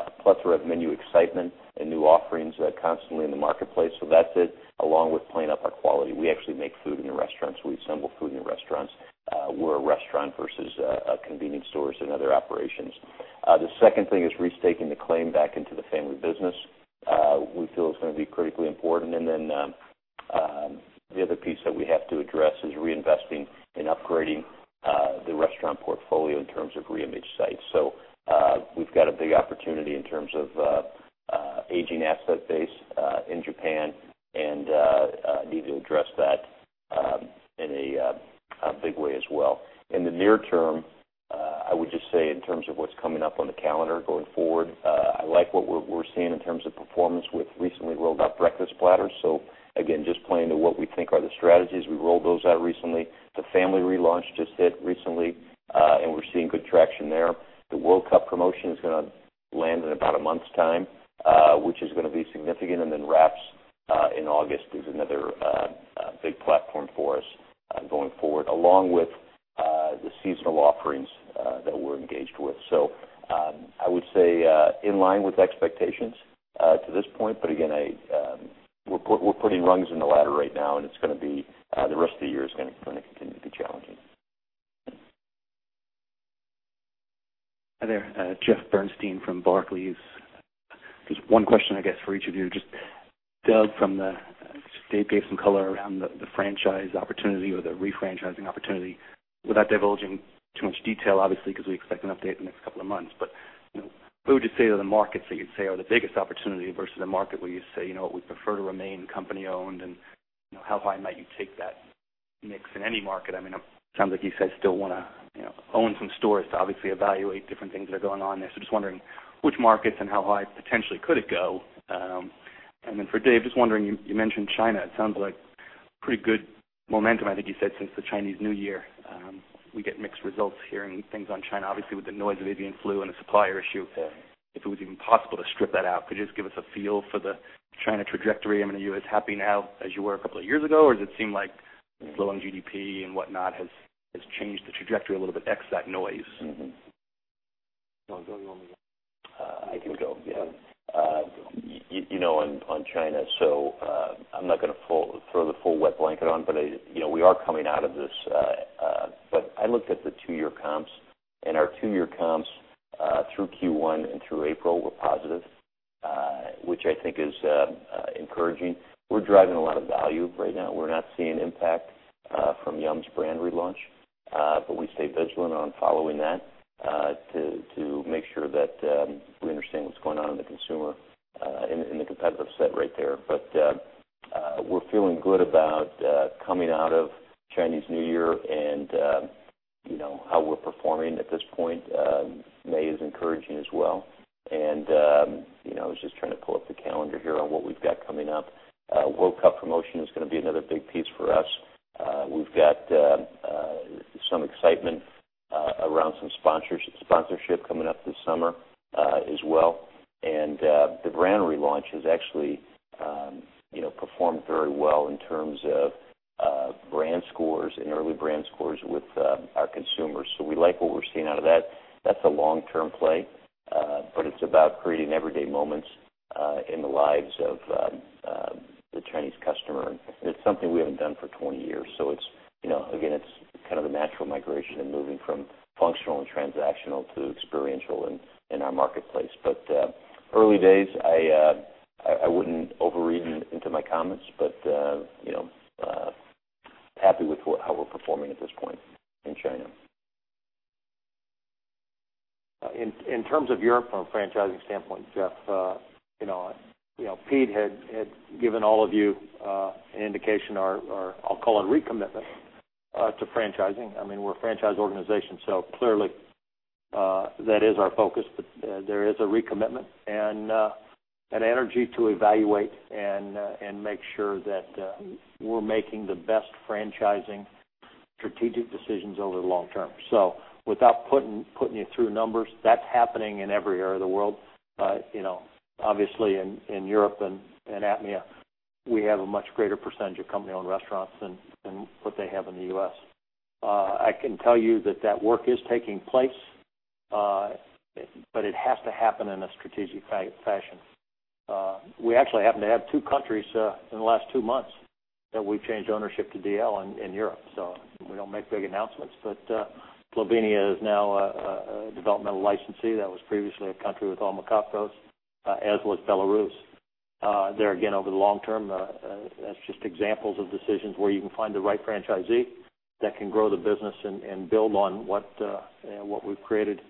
a plethora of menu excitement and new offerings constantly in the marketplace. That's it, along with playing up our quality. We actually make food in your restaurants. We assemble food in your restaurants. We're a restaurant versus convenience stores and other operations. The second thing is restaking the claim back into the family business, we feel is going to be critically important. The other piece that we have to address is reinvesting in upgrading the restaurant portfolio in terms of reimage sites. We've got a big opportunity in terms of aging asset base in Japan and need to address that in a big way as well. In the near term, I would just say in terms of what's coming up on the calendar going forward, I like what we're seeing in terms of performance with recently rolled out breakfast platter. Again, just playing to what we think are the strategies. We rolled those out recently. The family relaunch just hit recently, and we're seeing good traction there. The World Cup promotion is going to land in about a month's time, which is going to be significant. Wraps in August is another big platform for us going forward, along with the seasonal offerings that we're engaged with. I would say in line with expectations to this point. Again, we're putting rungs in the ladder right now, and the rest of the year is going to continue to be challenging. Hi there. Jeffrey Bernstein from Barclays. Just one question, I guess, for each of you. Just Doug, Dave gave some color around the franchise opportunity or the refranchising opportunity. Without divulging too much detail, obviously, because we expect an update in the next couple of months, but what would you say are the markets that you'd say are the biggest opportunity versus the market where you say, "We prefer to remain company-owned," and how high might you take that mix in any market? It sounds like you said you still want to own some stores to obviously evaluate different things that are going on there. Just wondering which markets and how high potentially could it go. For Dave, just wondering, you mentioned China. It sounds like pretty good momentum, I think you said, since the Chinese New Year. We get mixed results hearing things on China, obviously, with the noise of avian flu and the supplier issue. Yeah. If it was even possible to strip that out. Could you just give us a feel for the China trajectory? I mean, are you as happy now as you were a couple of years ago, or does it seem like slowing GDP and whatnot has changed the trajectory a little bit, X that noise? John, do you want me to go? I can go, yeah. On China, I'm not going to throw the full wet blanket on, but we are coming out of this. I looked at the two-year comps, and our two-year comps through Q1 and through April were positive, which I think is encouraging. We're driving a lot of value right now. We're not seeing impact from Yum's brand relaunch. We stay vigilant on following that to make sure that we understand what's going on in the consumer, in the competitive set right there. We're feeling good about coming out of Chinese New Year and how we're performing at this point. May is encouraging as well. I was just trying to pull up the calendar here on what we've got coming up. World Cup promotion is going to be another big piece for us. We've got some excitement around some sponsorship coming up this summer as well. The brand relaunch has actually performed very well in terms of brand scores and early brand scores with our consumers. We like what we're seeing out of that. That's a long-term play. It's about creating everyday moments in the lives of the Chinese customer, and it's something we haven't done for 20 years. Again, it's kind of the natural migration and moving from functional and transactional to experiential in our marketplace. Early days, I wouldn't overread into my comments, but happy with how we're performing at this point in China. In terms of Europe from a franchising standpoint, Jeff, Pete had given all of you an indication or I will call it recommitment to franchising. We are a franchise organization, so clearly that is our focus. There is a recommitment and an energy to evaluate and make sure that we are making the best franchising strategic decisions over the long term. Without putting you through numbers, that is happening in every area of the world. In Europe and APMEA, we have a much greater percentage of company-owned restaurants than what they have in the U.S. I can tell you that work is taking place, but it has to happen in a strategic fashion. We actually happen to have two countries in the last two months that we have changed ownership to DL in Europe. We do not make big announcements, but Slovenia is now a developmental licensee that was previously a country with our McOpCos, as was Belarus. There again, over the long term, that is just examples of decisions where you can find the right franchisee that can grow the business and build on what we have created.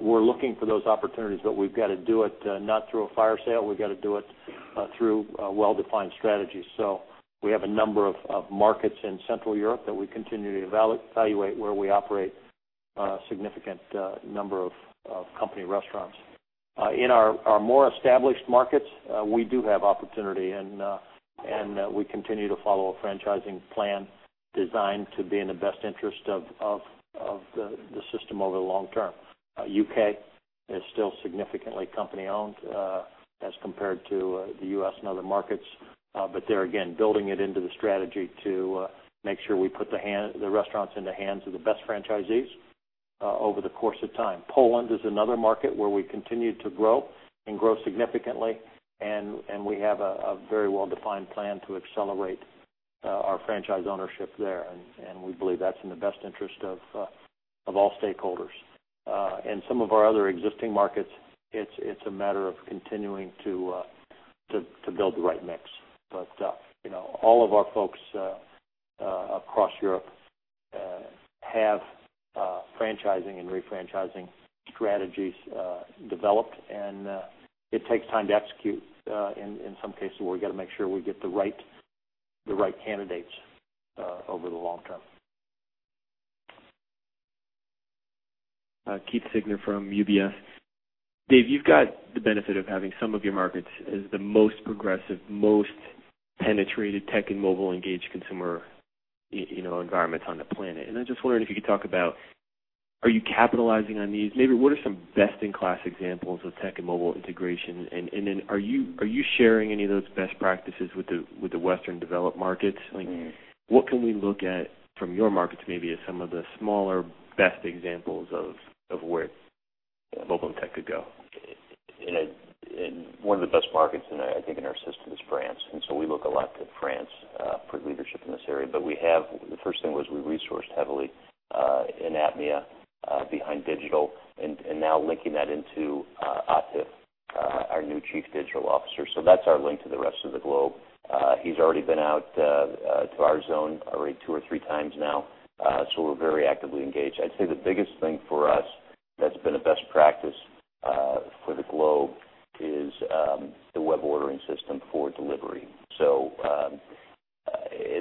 We are looking for those opportunities, but we have got to do it not through a fire sale. We have got to do it through a well-defined strategy. We have a number of markets in Central Europe that we continue to evaluate where we operate a significant number of company restaurants. In our more established markets, we do have opportunity, and we continue to follow a franchising plan designed to be in the best interest of the system over the long term. U.K. is still significantly company-owned as compared to the U.S. and other markets. There, again, building it into the strategy to make sure we put the restaurants in the hands of the best franchisees over the course of time. Poland is another market where we continue to grow and grow significantly, and we have a very well-defined plan to accelerate our franchise ownership there, and we believe that is in the best interest of all stakeholders. In some of our other existing markets, it is a matter of continuing to build the right mix. All of our folks across Europe have franchising and refranchising strategies developed, and it takes time to execute in some cases where we have got to make sure we get the right candidates over the long term. Keith Siegner from UBS. Dave, you have got the benefit of having some of your markets as the most progressive, most penetrated tech and mobile-engaged consumer environments on the planet. I am just wondering if you could talk about, are you capitalizing on these? Maybe what are some best-in-class examples of tech and mobile integration? Are you sharing any of those best practices with the Western developed markets? What can we look at from your markets maybe as some of the smaller, best examples of where mobile and tech could go? One of the best markets, I think, in our system is France. We look a lot to France for leadership in this area. The first thing was we resourced heavily in APMEA behind digital and now linking that into Atif, our new Chief Digital Officer. That's our link to the rest of the globe. He's already been out to our zone already two or three times now. We're very actively engaged. I'd say the biggest thing for us that's been a best practice for the globe is the web ordering system for delivery.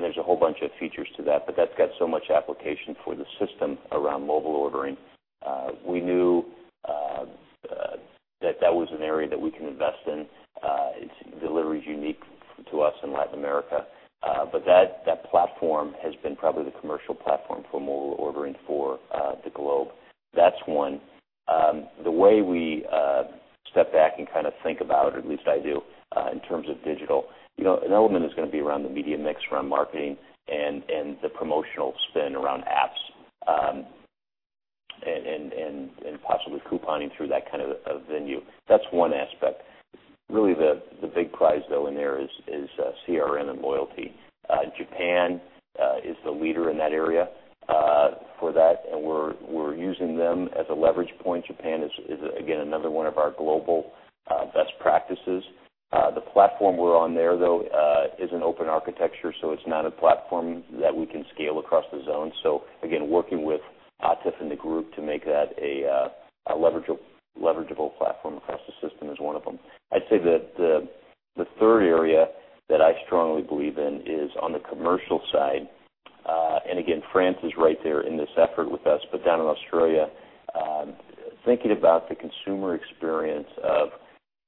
There's a whole bunch of features to that, but that's got so much application for the system around mobile ordering. We knew that that was an area that we can invest in. Delivery is unique to us in Latin America. That platform has been probably the commercial platform for mobile ordering for the globe. That's one. The way we step back and kind of think about it, at least I do, in terms of digital, an element is going to be around the media mix from marketing and the promotional spin around apps, and possibly couponing through that kind of venue. That's one aspect. Really the big prize, though, in there is CRM and loyalty. Japan is the leader in that area for that, and we're using them as a leverage point. Japan is, again, another one of our global best practices. The platform we're on there, though, is an open architecture, so it's not a platform that we can scale across the zone. Again, working with Atif and the group to make that a leverageable platform across the system is one of them. The third area that I strongly believe in is on the commercial side. Again, France is right there in this effort with us. Down in Australia, thinking about the consumer experience of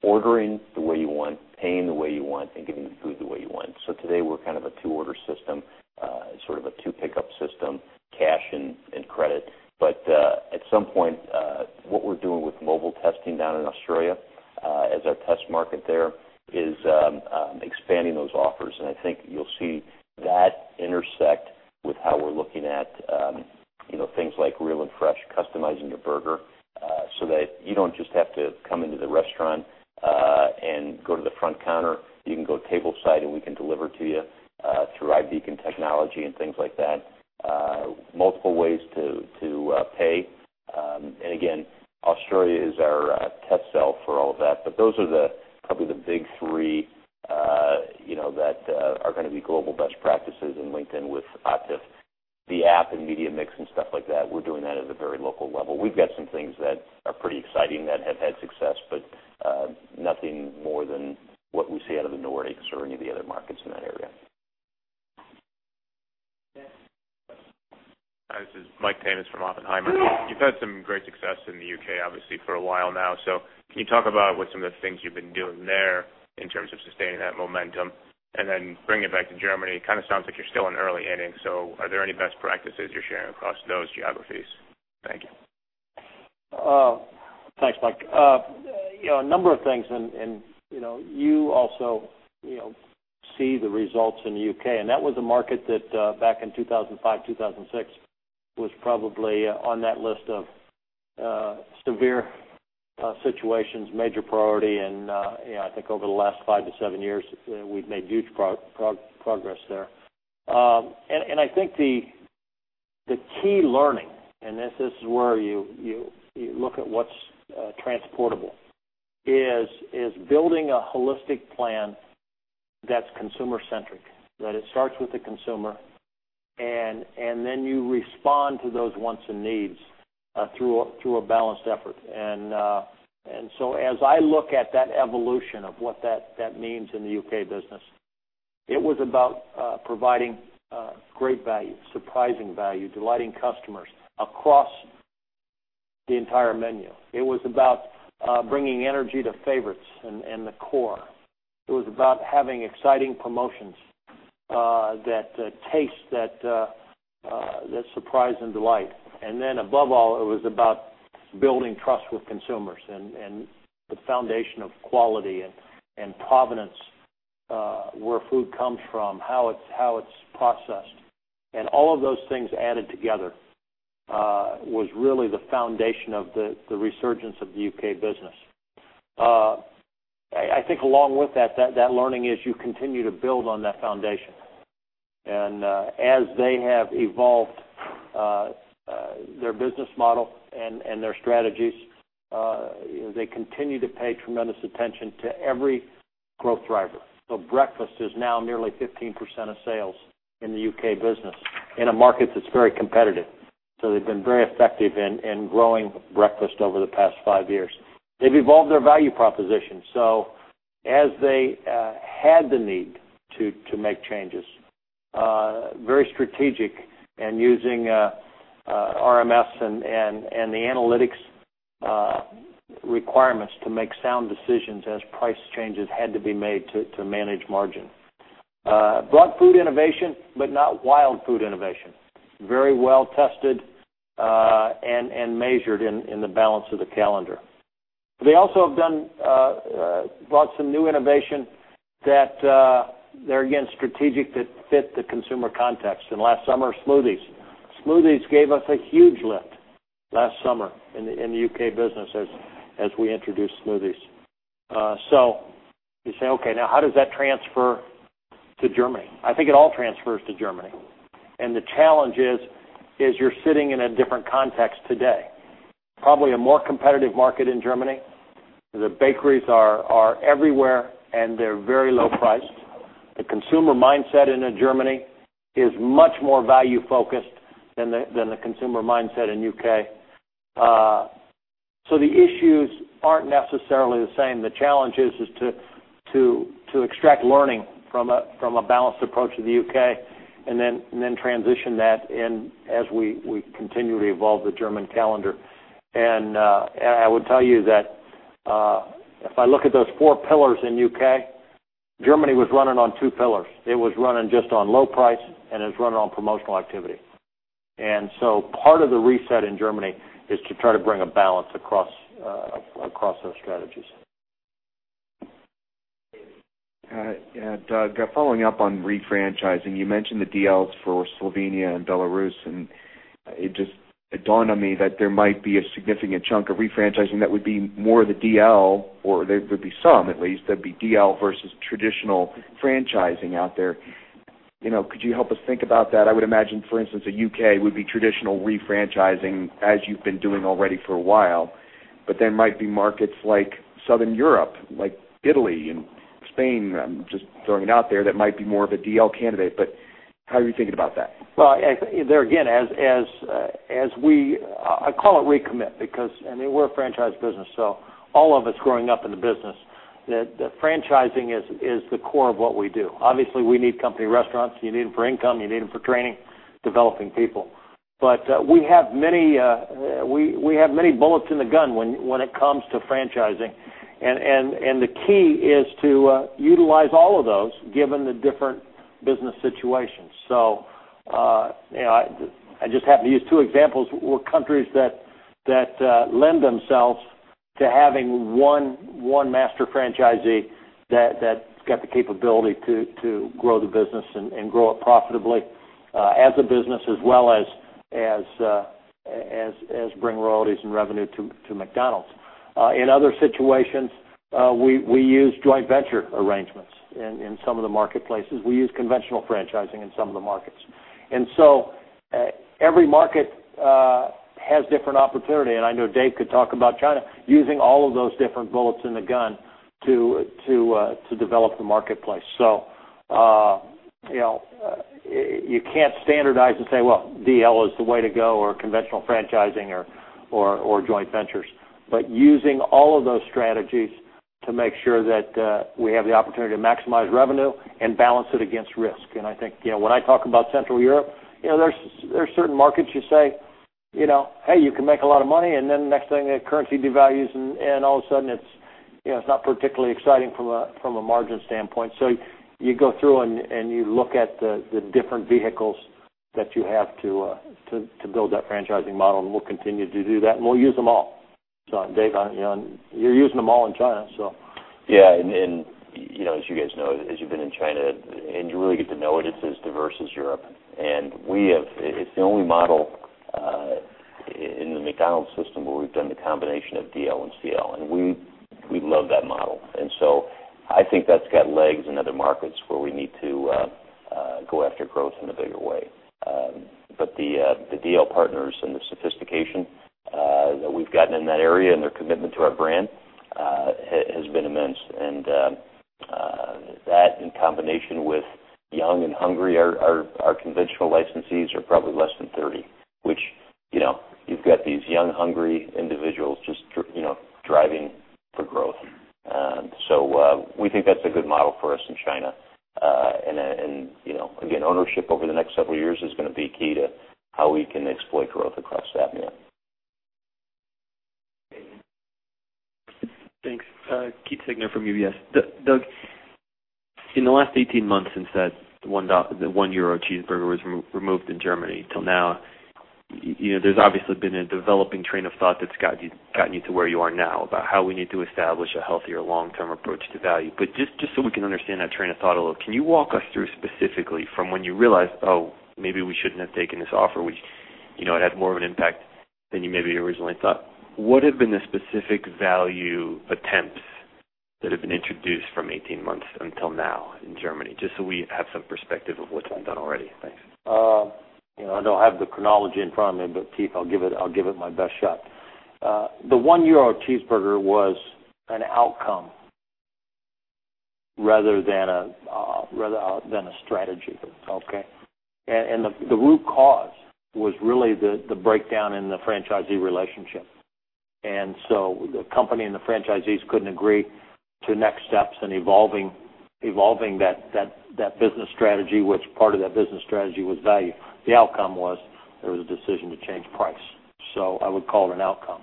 ordering the way you want, paying the way you want, and getting the food the way you want. Today, we're a two-order system, a two-pickup system, cash and credit. At some point, what we're doing with mobile testing down in Australia as our test market there is expanding those offers. I think you'll see that intersect with how we're looking at things like Real and Fresh, customizing your burger, so that you don't just have to come into the restaurant and go to the front counter. You can go table side, and we can deliver to you through iBeacon technology and things like that. Multiple ways to pay. Again, Australia is our test cell for all of that. Those are probably the big three that are going to be global best practices and linked in with Atif. The app and media mix and stuff like that, we're doing that at a very local level. We've got some things that are pretty exciting that have had success, but nothing more than what we see out of the Nordics or any of the other markets in that area. Next. Hi, this is Mike Tammas from Oppenheimer. You've had some great success in the U.K., obviously, for a while now. Can you talk about what some of the things you've been doing there in terms of sustaining that momentum, bringing it back to Germany? It sounds like you're still in early innings, are there any best practices you're sharing across those geographies? Thank you. Thanks, Mike. A number of things, you also see the results in the U.K. That was a market that back in 2005, 2006, was probably on that list of severe situations, major priority, I think over the last five to seven years, we've made huge progress there. I think the key learning, this is where you look at what's transportable, is building a holistic plan that's consumer-centric. That it starts with the consumer, you respond to those wants and needs through a balanced effort. As I look at that evolution of what that means in the U.K. business, it was about providing great value, surprising value, delighting customers across the entire menu. It was about bringing energy to favorites and the core. It was about having exciting promotions that taste, that surprise and delight. Above all, it was about building trust with consumers and the foundation of quality and provenance, where food comes from, how it's processed. All of those things added together was really the foundation of the resurgence of the U.K. business. I think along with that learning is you continue to build on that foundation. As they have evolved their business model and their strategies, they continue to pay tremendous attention to every growth driver. Breakfast is now nearly 15% of sales in the U.K. business in a market that's very competitive. They've been very effective in growing breakfast over the past five years. They've evolved their value proposition. As they had the need to make changes, very strategic and using RMS and the analytics requirements to make sound decisions as price changes had to be made to manage margin. Brought food innovation, not wild food innovation. Very well-tested and measured in the balance of the calendar. They also have brought some new innovation that they're, again, strategic that fit the consumer context. Last summer, smoothies. Smoothies gave us a huge lift last summer in the U.K. business as we introduced smoothies. You say, "Okay, now how does that transfer to Germany?" I think it all transfers to Germany. The challenge is you're sitting in a different context today. Probably a more competitive market in Germany. The bakeries are everywhere, they're very low priced. The consumer mindset in Germany is much more value-focused than the consumer mindset in U.K. The issues aren't necessarily the same. The challenge is to extract learning from a balanced approach to the U.K., transition that in as we continue to evolve the German calendar. I would tell you that if I look at those four pillars in U.K., Germany was running on two pillars. It was running just on low price, and it was running on promotional activity. Part of the reset in Germany is to try to bring a balance across those strategies. Doug, following up on refranchising, you mentioned the DLs for Slovenia and Belarus. It dawned on me that there might be a significant chunk of refranchising that would be more the DL, or there would be some, at least. There would be DL versus traditional franchising out there. Could you help us think about that? I would imagine, for instance, the U.K. would be traditional refranchising as you've been doing already for a while. There might be markets like Southern Europe, like Italy and Spain, I'm just throwing it out there, that might be more of a DL candidate. How are you thinking about that? Well, there again, I call it recommit because we're a franchise business, so all of us growing up in the business, the franchising is the core of what we do. Obviously, we need company restaurants. You need them for income. You need them for training, developing people. We have many bullets in the gun when it comes to franchising, and the key is to utilize all of those given the different business situations. I just happen to use two examples where countries that lend themselves to having one master franchisee that's got the capability to grow the business and grow it profitably as a business as well as bring royalties and revenue to McDonald's. In other situations, we use joint venture arrangements in some of the marketplaces. We use conventional franchising in some of the markets. Every market has different opportunity, and I know Dave could talk about China using all of those different bullets in the gun to develop the marketplace. You can't standardize and say, well, DL is the way to go, or conventional franchising or joint ventures, but using all of those strategies to make sure that we have the opportunity to maximize revenue and balance it against risk. I think when I talk about Central Europe, there's certain markets you say, "Hey, you can make a lot of money," and then the next thing, the currency devalues, and all of a sudden, it's not particularly exciting from a margin standpoint. You go through and you look at the different vehicles that you have to build that franchising model, and we'll continue to do that, and we'll use them all. Dave, you're using them all in China. Yeah. As you guys know, as you've been in China, and you really get to know it's as diverse as Europe. It's the only model, in the McDonald's system, where we've done the combination of DL and CL, and we love that model. I think that's got legs in other markets where we need to go after growth in a bigger way. The DL partners and the sophistication that we've gotten in that area and their commitment to our brand has been immense. That in combination with young and hungry, our conventional licensees are probably less than 30, which you've got these young, hungry individuals just driving for growth. We think that's a good model for us in China. Again, ownership over the next several years is going to be key to how we can exploit growth across that net. Thanks. Keith Siegner from UBS. Doug, in the last 18 months since that 1 cheeseburger was removed in Germany till now, there's obviously been a developing train of thought that's gotten you to where you are now about how we need to establish a healthier long-term approach to value. Just so we can understand that train of thought a little, can you walk us through specifically from when you realized, "Oh, maybe we shouldn't have taken this offer," which it had more of an impact than you maybe originally thought. What have been the specific value attempts that have been introduced from 18 months until now in Germany, just so we have some perspective of what's been done already? Thanks. I don't have the chronology in front of me, but Keith, I'll give it my best shot. The 1 euro cheeseburger was an outcome rather than a strategy, okay? The root cause was really the breakdown in the franchisee relationship. The company and the franchisees couldn't agree to next steps in evolving that business strategy, which part of that business strategy was value. The outcome was there was a decision to change price. I would call it an outcome.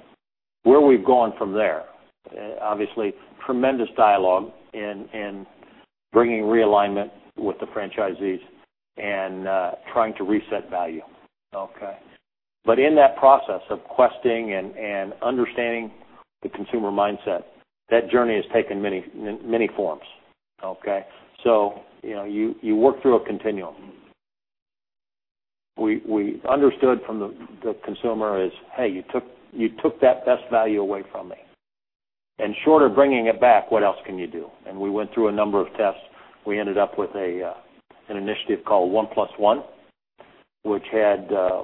Where we've gone from there, obviously, tremendous dialogue in bringing realignment with the franchisees and trying to reset value, okay? In that process of questing and understanding the consumer mindset, that journey has taken many forms, okay? You work through a continuum. We understood from the consumer is, "Hey, you took that best value away from me. Short of bringing it back, what else can you do? We went through a number of tests. We ended up with an initiative called One Plus One, which had a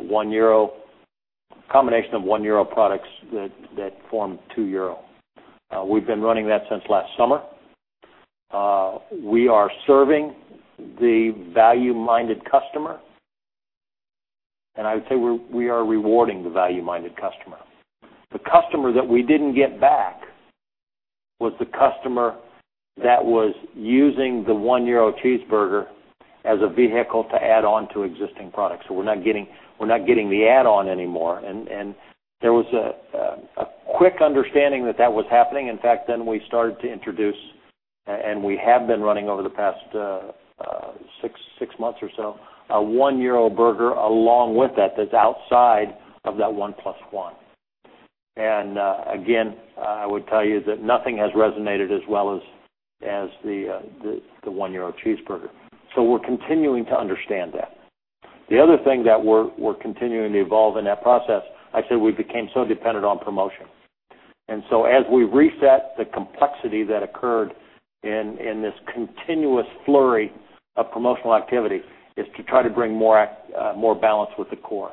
combination of 1 euro products that formed 2 euro. We've been running that since last summer. We are serving the value-minded customer, and I would say we are rewarding the value-minded customer. The customer that we didn't get back was the customer that was using the EUR 1 cheeseburger as a vehicle to add on to existing products. We're not getting the add-on anymore. There was a quick understanding that that was happening. In fact, we started to introduce, and we have been running over the past 6 months or so, a EUR 1 burger along with that's outside of that One Plus One. Again, I would tell you that nothing has resonated as well as the EUR 1 cheeseburger. We're continuing to understand that. The other thing that we're continuing to evolve in that process, I say we became so dependent on promotion. As we reset the complexity that occurred in this continuous flurry of promotional activity is to try to bring more balance with the core.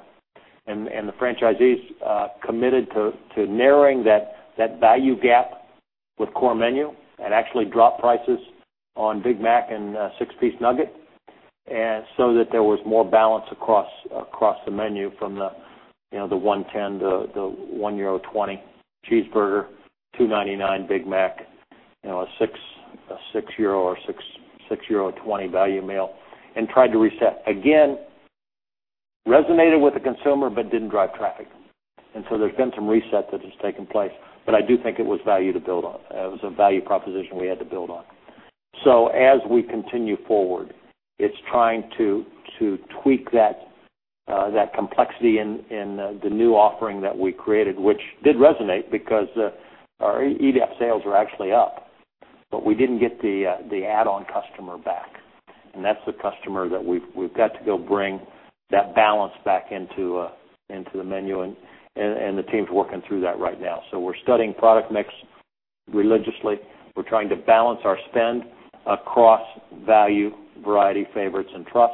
The franchisees committed to narrowing that value gap With core menu, actually dropped prices on Big Mac and 6-piece nugget, so that there was more balance across the menu from the EUR 1.10, the 1.20 euro cheeseburger, 2.99 Big Mac, a 6 or 6.20 euro value meal, and tried to reset. Again, resonated with the consumer, but didn't drive traffic. There's been some reset that has taken place, but I do think it was value to build on. It was a value proposition we had to build on. As we continue forward, it's trying to tweak that complexity in the new offering that we created, which did resonate because our EDAP sales are actually up, but we didn't get the add-on customer back. That's the customer that we've got to go bring that balance back into the menu, and the team's working through that right now. We're studying product mix religiously. We're trying to balance our spend across value, variety, favorites, and trust,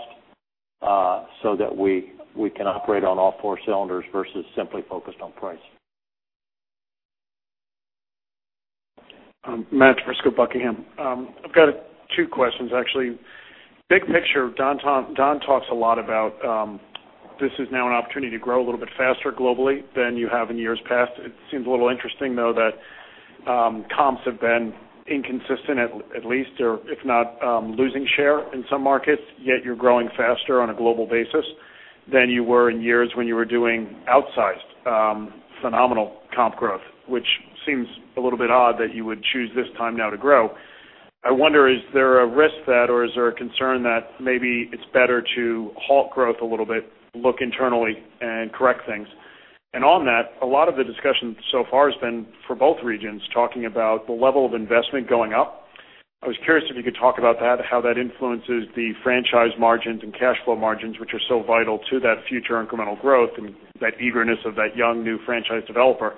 so that we can operate on all four cylinders versus simply focused on price. Matt DiFrisco, Buckingham. I've got two questions, actually. Big picture, Don talks a lot about how this is now an opportunity to grow a little bit faster globally than you have in years past. It seems a little interesting, though, that comps have been inconsistent, at least, or if not losing share in some markets, yet you're growing faster on a global basis than you were in years when you were doing outsized, phenomenal comp growth, which seems a little bit odd that you would choose this time now to grow. I wonder, is there a risk that, or is there a concern that maybe it's better to halt growth a little bit, look internally, and correct things? On that, a lot of the discussion so far has been for both regions, talking about the level of investment going up. I was curious if you could talk about that, how that influences the franchise margins and cash flow margins, which are so vital to that future incremental growth and that eagerness of that young, new franchise developer.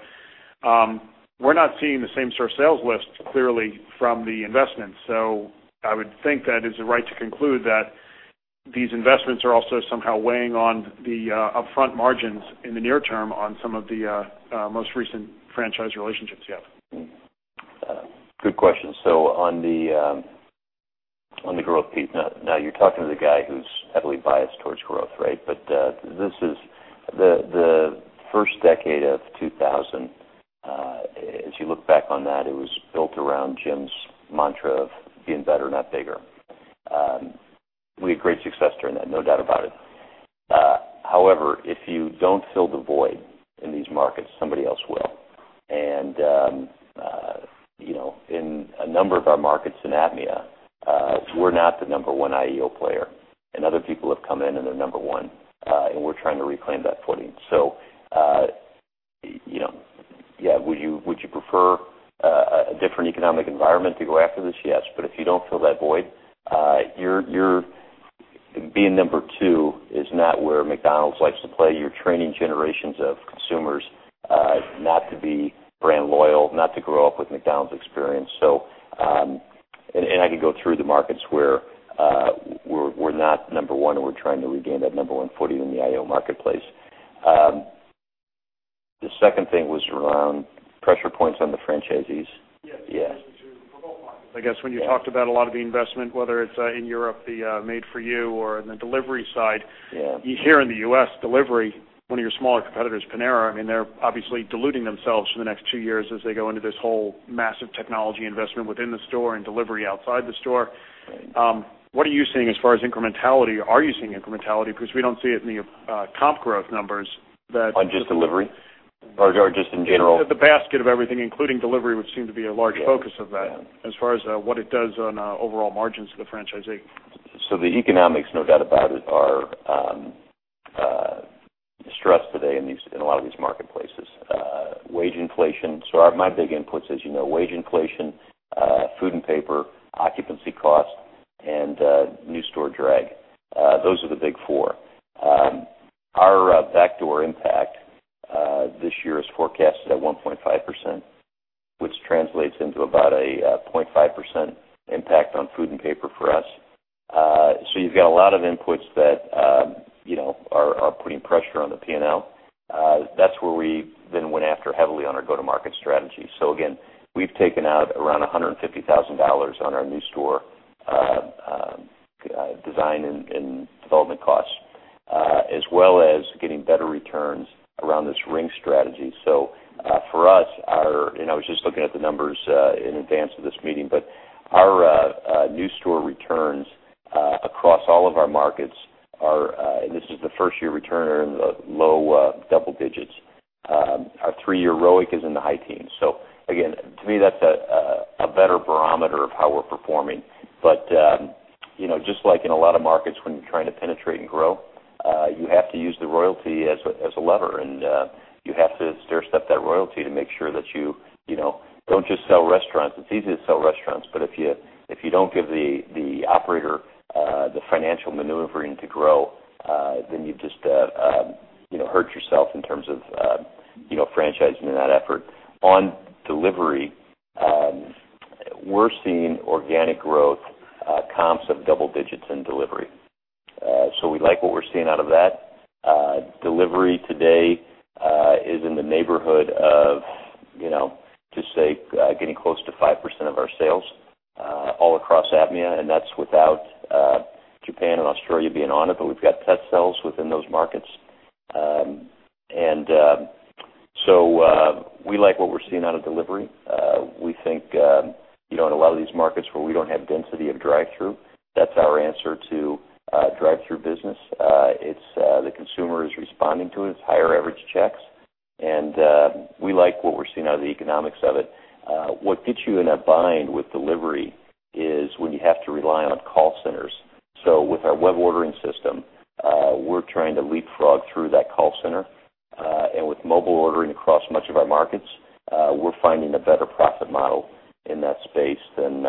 We're not seeing the same store sales lift, clearly, from the investments. I would think that it's right to conclude that these investments are also somehow weighing on the upfront margins in the near term on some of the most recent franchise relationships you have. Good question. On the growth piece, now you're talking to the guy who's heavily biased towards growth, right? This is the first decade of 2000. As you look back on that, it was built around Jim's mantra of being better, not bigger. We had great success during that, no doubt about it. However, if you don't fill the void in these markets, somebody else will. In a number of our markets in APMEA, we're not the number one IEO player, and other people have come in, and they're number one, and we're trying to reclaim that footing. Would you prefer a different economic environment to go after this? Yes, if you don't fill that void, being number two is not where McDonald's likes to play. You're training generations of consumers not to be brand loyal, not to grow up with McDonald's experience. I could go through the markets where we're not number one, and we're trying to regain that number one footing in the IEO marketplace. The second thing was around pressure points on the franchisees. Yes. Yeah. For both markets, I guess, when you talked about a lot of the investment, whether it's in Europe, the Made For You, or in the delivery side. Yeah. Here in the U.S., delivery, one of your smaller competitors, Panera, they're obviously diluting themselves for the next two years as they go into this whole massive technology investment within the store and delivery outside the store. Right. What are you seeing as far as incrementality? Are you seeing incrementality? We don't see it in the comp growth numbers. On just delivery? Just in general? The basket of everything, including delivery, would seem to be a large focus of that, as far as what it does on overall margins to the franchisee. The economics, no doubt about it, are stressed today in a lot of these marketplaces. Wage inflation. My big inputs, as you know, wage inflation, food and paper, occupancy cost, and new store drag. Those are the big four. Our backdoor impact this year is forecasted at 1.5%, which translates into about a 0.5% impact on food and paper for us. You've got a lot of inputs that are putting pressure on the P&L. That is where we then went after heavily on our go-to-market strategy. Again, we've taken out around $150,000 on our new store design and development costs, as well as getting better returns around this ring strategy. For us, and I was just looking at the numbers in advance of this meeting, Our new store returns across all of our markets are, and this is the first-year return, are in the low double digits. Our three-year ROIC is in the high teens. Again, to me, that's a better barometer of how we're performing. Just like in a lot of markets, when you're trying to penetrate and grow, you have to use the royalty as a lever, and you have to stair-step that royalty to make sure that you don't just sell restaurants. It's easy to sell restaurants, but if you don't give the operator the financial maneuvering to grow, you just hurt yourself in terms of franchising and that effort. On delivery, we're seeing organic growth comps of double digits in delivery. We like what we're seeing out of that. Delivery today is in the neighborhood of, just say, getting close to 5% of our sales all across APMEA, and that's without Japan and Australia being on it, We've got test cells within those markets. We like what we're seeing out of delivery. We think in a lot of these markets where we don't have density of drive-through, that's our answer to drive-through business. The consumer is responding to it. It's higher average checks, and we like what we're seeing out of the economics of it. What gets you in a bind with delivery is when you have to rely on call centers. With our web ordering system, we're trying to leapfrog through that call center. With mobile ordering across much of our markets, we're finding a better profit model in that space than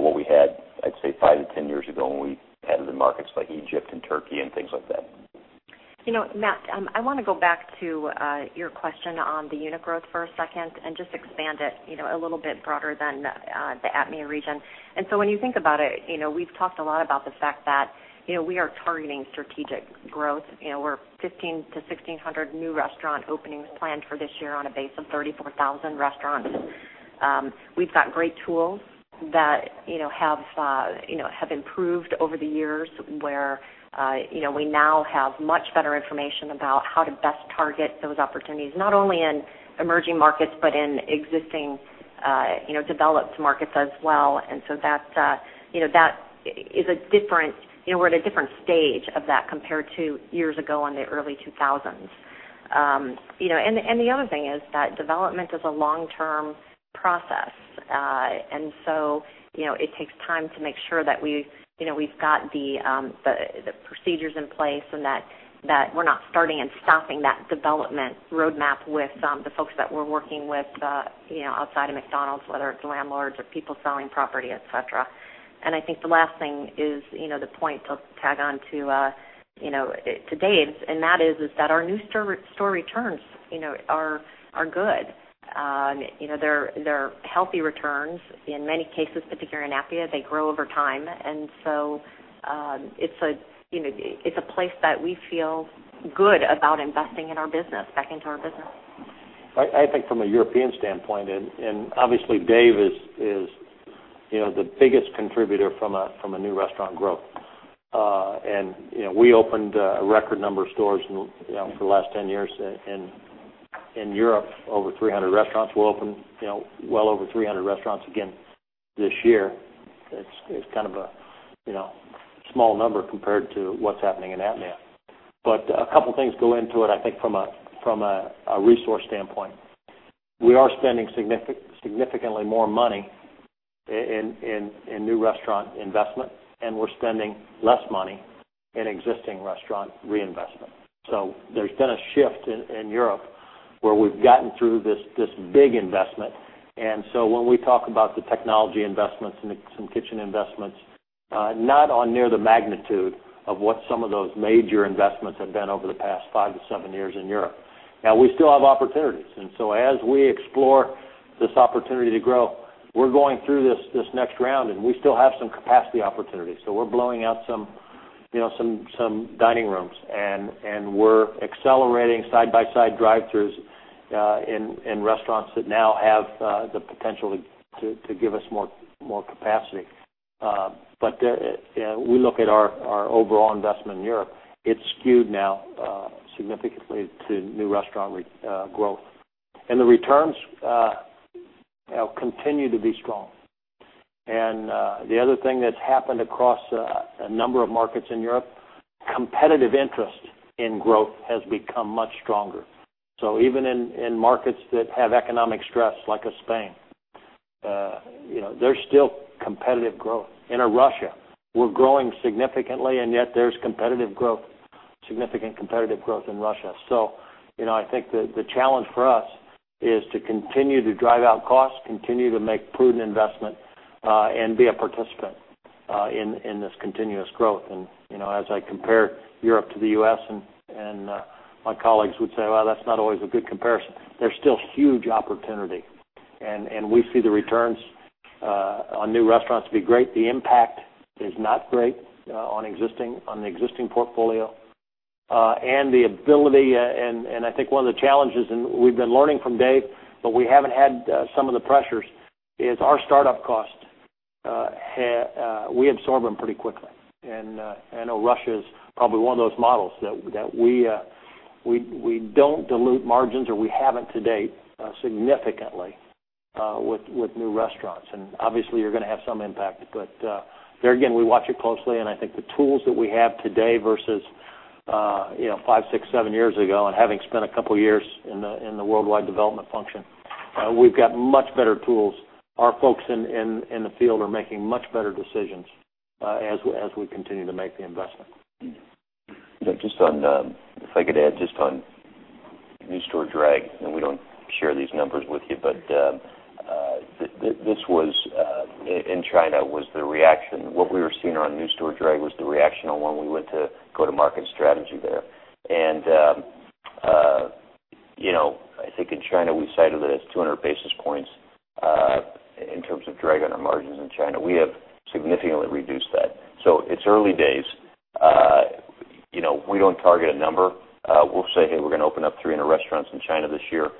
what we had, I'd say, 5-10 years ago when we added the markets like Egypt and Turkey and things like that. Matt, I want to go back to your question on the unit growth for a second and just expand it a little bit broader than the APMEA region. When you think about it, we've talked a lot about the fact that we are targeting strategic growth. We're 1,500-1,600 new restaurant openings planned for this year on a base of 34,000 restaurants. We've got great tools that have improved over the years, where we now have much better information about how to best target those opportunities, not only in emerging markets but in existing developed markets as well. We're at a different stage of that compared to years ago in the early 2000s. The other thing is that development is a long-term process. It takes time to make sure that we've got the procedures in place and that we're not starting and stopping that development roadmap with the folks that we're working with outside of McDonald's, whether it's landlords or people selling property, et cetera. I think the last thing is the point to tag on to Dave's, and that is that our new store returns are good. They're healthy returns. In many cases, particularly in APMEA, they grow over time. It's a place that we feel good about investing in our business, back into our business. I think from a European standpoint, obviously Dave is the biggest contributor from a new restaurant growth. We opened a record number of stores for the last 10 years in Europe, over 300 restaurants. We'll open well over 300 restaurants again this year. It's kind of a small number compared to what's happening in APMEA. A couple of things go into it, I think, from a resource standpoint. We are spending significantly more money in new restaurant investment, and we're spending less money in existing restaurant reinvestment. There's been a shift in Europe where we've gotten through this big investment. When we talk about the technology investments and some kitchen investments, not on near the magnitude of what some of those major investments have been over the past 5-7 years in Europe. We still have opportunities. As we explore this opportunity to grow, we're going through this next round, and we still have some capacity opportunities. We're blowing out some dining rooms, and we're accelerating side-by-side drive-throughs in restaurants that now have the potential to give us more capacity. We look at our overall investment in Europe. It's skewed now significantly to new restaurant growth. The returns continue to be strong. The other thing that's happened across a number of markets in Europe, competitive interest in growth has become much stronger. Even in markets that have economic stress, like a Spain, there's still competitive growth. In Russia, we're growing significantly, and yet there's significant competitive growth in Russia. I think the challenge for us is to continue to drive out costs, continue to make prudent investment, and be a participant in this continuous growth. As I compare Europe to the U.S., and my colleagues would say, "Well, that's not always a good comparison," there's still huge opportunity. We see the returns on new restaurants to be great. The impact is not great on the existing portfolio. I think one of the challenges, and we've been learning from Dave, but we haven't had some of the pressures, is our startup cost. We absorb them pretty quickly. I know Russia is probably one of those models that we don't dilute margins, or we haven't to date significantly with new restaurants. Obviously, you're going to have some impact. There again, we watch it closely, and I think the tools that we have today versus five, six, seven years ago and having spent a couple of years in the worldwide development function, we've got much better tools. Our folks in the field are making much better decisions as we continue to make the investment. If I could add just on new store drag, we don't share these numbers with you, but this in China, what we were seeing on new store drag was the reaction on when we went to go-to-market strategy there. I think in China, we cited it as 200 basis points, in terms of drag on our margins in China. We have significantly reduced that. It's early days. We don't target a number. We'll say, "Hey, we're going to open up 300 restaurants in China this year."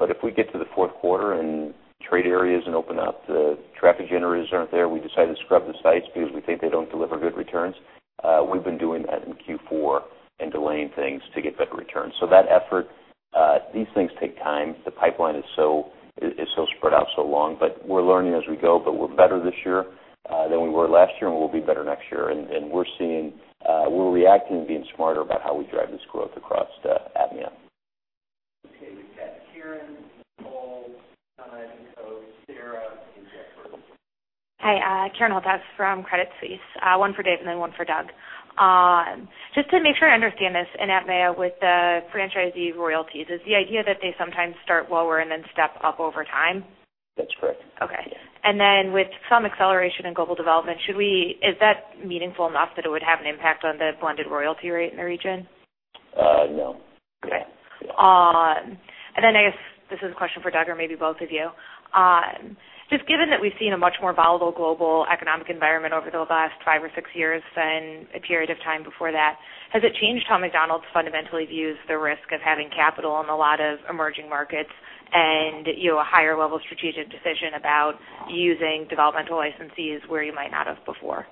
If we get to the fourth quarter and trade areas and open up, the traffic generators aren't there. We decide to scrub the sites because we think they don't deliver good returns. We've been doing that in Q4 and delaying things to get better returns. That effort, these things take time. The pipeline is so spread out, so long, but we're learning as we go, but we're better this year, than we were last year, and we'll be better next year. We're reacting and being smarter about how we drive this growth across APMEA. Okay. We've got Karen, Nicole, then I think it's Sara, and Jeffrey. Hi, Karen Holthouse from Credit Suisse. One for Dave and then one for Doug. Just to make sure I understand this, in APMEA, with the franchisee royalties, is the idea that they sometimes start lower and then step up over time? That's correct. Okay. Yeah. With some acceleration in global development, is that meaningful enough that it would have an impact on the blended royalty rate in the region? No. Okay. Yeah. I guess this is a question for Doug, or maybe both of you. Given that we've seen a much more volatile global economic environment over the last five or six years than a period of time before that, has it changed how McDonald's fundamentally views the risk of having capital in a lot of emerging markets and a higher level of strategic decision about using developmental licensees where you might not have before?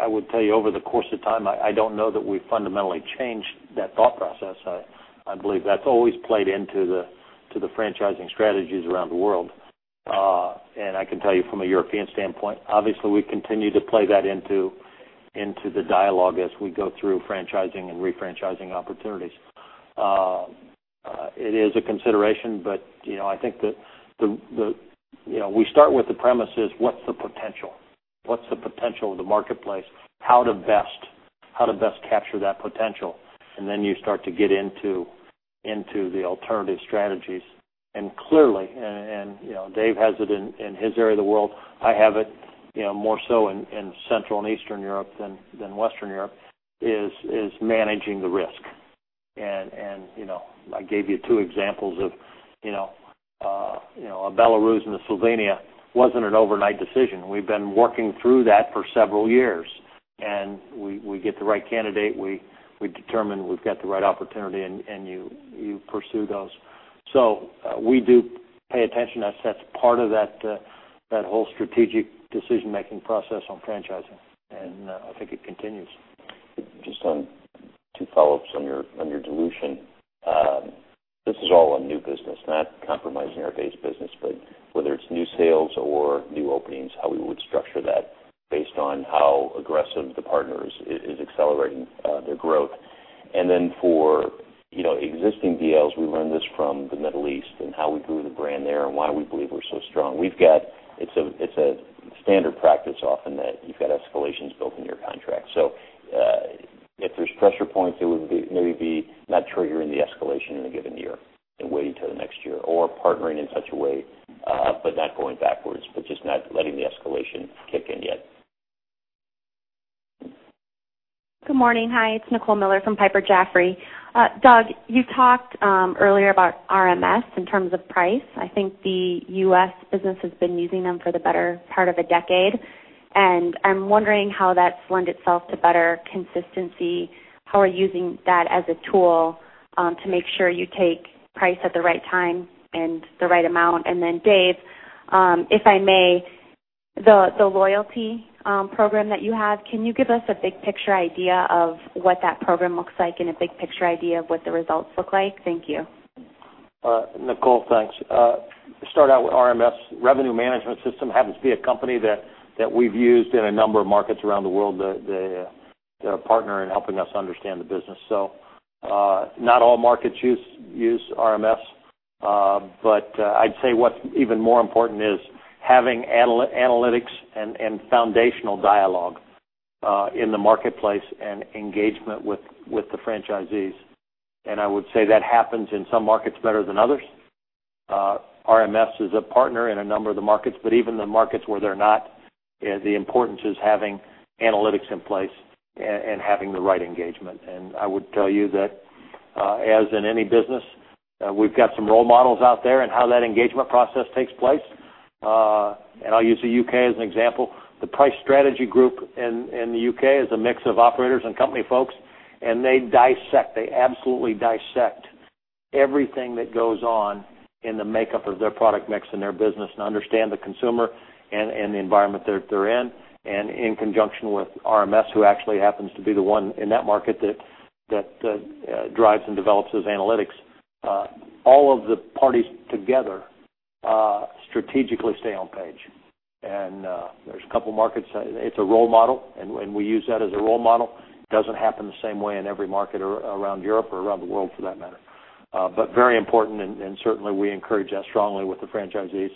I would tell you, over the course of time, I don't know that we've fundamentally changed that thought process. I believe that's always played into the franchising strategies around the world. I can tell you from a European standpoint, obviously, we continue to play that into the dialogue as we go through franchising and re-franchising opportunities. It is a consideration, but I think that we start with the premises, what's the potential? What's the potential of the marketplace? How to best capture that potential, then you start to get into the alternative strategies. Clearly, Dave has it in his area of the world, I have it more so in Central and Eastern Europe than Western Europe, is managing the risk. I gave you two examples of Belarus and Slovenia wasn't an overnight decision. We've been working through that for several years. We get the right candidate, we determine we've got the right opportunity, and you pursue those. We do pay attention, as that's part of that whole strategic decision-making process on franchising, and I think it continues. Just on two follow-ups on your dilution. This is all on new business, not compromising our base business, but whether it's new sales or new openings, how we would structure that based on how aggressive the partner is accelerating their growth. For existing deals, we learned this from the Middle East and how we grew the brand there and why we believe we're so strong. It's a standard practice often that you've got escalations built into your contract. If there's pressure points, it would maybe be not triggering the escalation in a given year and waiting till the next year. Partnering in such a way, but not going backwards, but just not letting the escalation kick in yet. Good morning. Hi, it's Nicole Miller from Piper Jaffray. Doug, you talked earlier about RMS in terms of price. I think the U.S. business has been using them for the better part of a decade, and I'm wondering how that's lent itself to better consistency. How are you using that as a tool to make sure you take price at the right time and the right amount? Dave, if I may, the loyalty program that you have, can you give us a big picture idea of what that program looks like and a big picture idea of what the results look like? Thank you. Nicole, thanks. To start out with RMS, Revenue Management Solutions happens to be a company that we've used in a number of markets around the world. They're a partner in helping us understand the business. Not all markets use RMS. I'd say what's even more important is having analytics and foundational dialogue in the marketplace and engagement with the franchisees. I would say that happens in some markets better than others. RMS is a partner in a number of the markets, but even the markets where they're not, the importance is having analytics in place and having the right engagement. I would tell you that, as in any business, we've got some role models out there in how that engagement process takes place. I'll use the U.K. as an example. The price strategy group in the U.K. is a mix of operators and company folks, and they absolutely dissect everything that goes on in the makeup of their product mix and their business and understand the consumer and the environment they're in. In conjunction with RMS, who actually happens to be the one in that market that drives and develops those analytics. All of the parties together strategically stay on page. There's a couple markets, it's a role model, and we use that as a role model. It doesn't happen the same way in every market around Europe or around the world for that matter. Very important and certainly we encourage that strongly with the franchisees.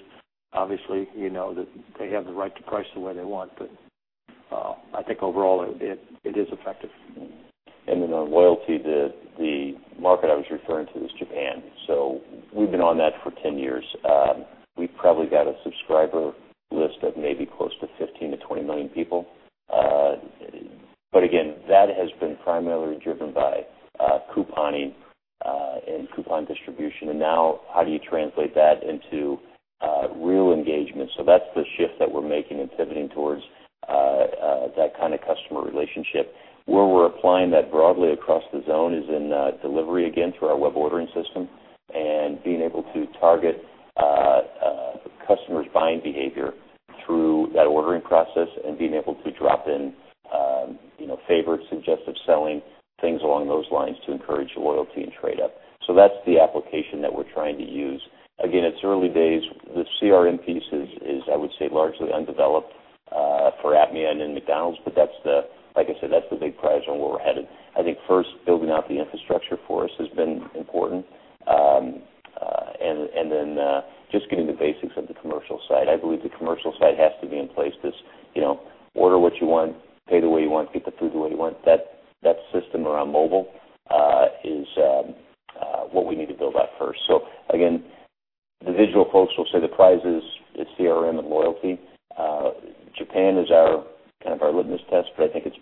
Obviously, you know that they have the right to price the way they want. I think overall it is effective. On loyalty, the market I was referring to is Japan. We've been on that for 10 years. We've probably got a subscriber list of maybe close to 15-20 million people. Again, that has been primarily driven by couponing and coupon distribution. Now how do you translate that into real engagement? That's the shift that we're making and pivoting towards that kind of customer relationship. Where we're applying that broadly across the zone is in delivery, again, through our web ordering system, and being able to target customers' buying behavior through that ordering process and being able to drop in favorite suggestive selling things along those lines to encourage loyalty and trade-up. That's the application that we're trying to use. Again, it's early days. The CRM piece is, I would say, largely undeveloped for APMEA and in McDonald's, but like I said, that's the big prize and where we're headed. I think first, building out the infrastructure for us has been important, and then just getting the basics of the commercial side. I believe the commercial side has to be in place. This order what you want, pay the way you want, get the food the way you want, that system around mobile is what we need to build out first. Again, the visual folks will say the prize is CRM and loyalty. Japan is our litmus test, but I think it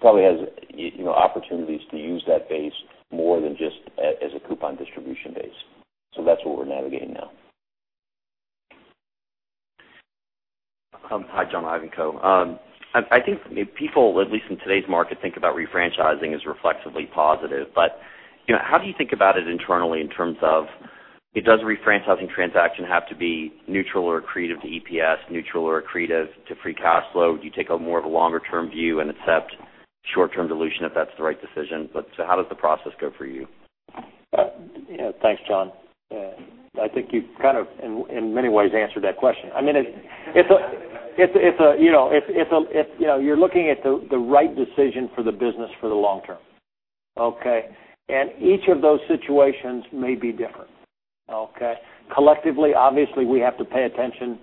probably has opportunities to use that base more than just as a coupon distribution base. That's what we're navigating now. Hi, John Ivankoe. I think people, at least in today's market, think about refranchising as reflexively positive. How do you think about it internally in terms of, does refranchising transaction have to be neutral or accretive to EPS, neutral or accretive to free cash flow? Do you take a more of a longer-term view and accept short-term dilution if that's the right decision? How does the process go for you? Thanks, John. I think you've kind of, in many ways, answered that question. You're looking at the right decision for the business for the long term. Okay. Each of those situations may be different. Okay. Collectively, obviously, we have to pay attention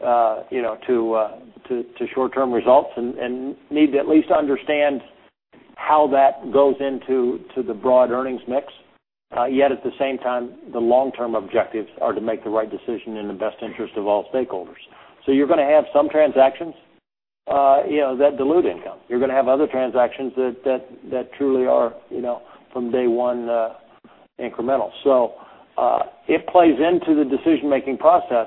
to short-term results and need to at least understand how that goes into the broad earnings mix. Yet at the same time, the long-term objectives are to make the right decision in the best interest of all stakeholders. You're going to have some transactions that dilute income. You're going to have other transactions that truly are from day one incremental. It plays into the decision-making process.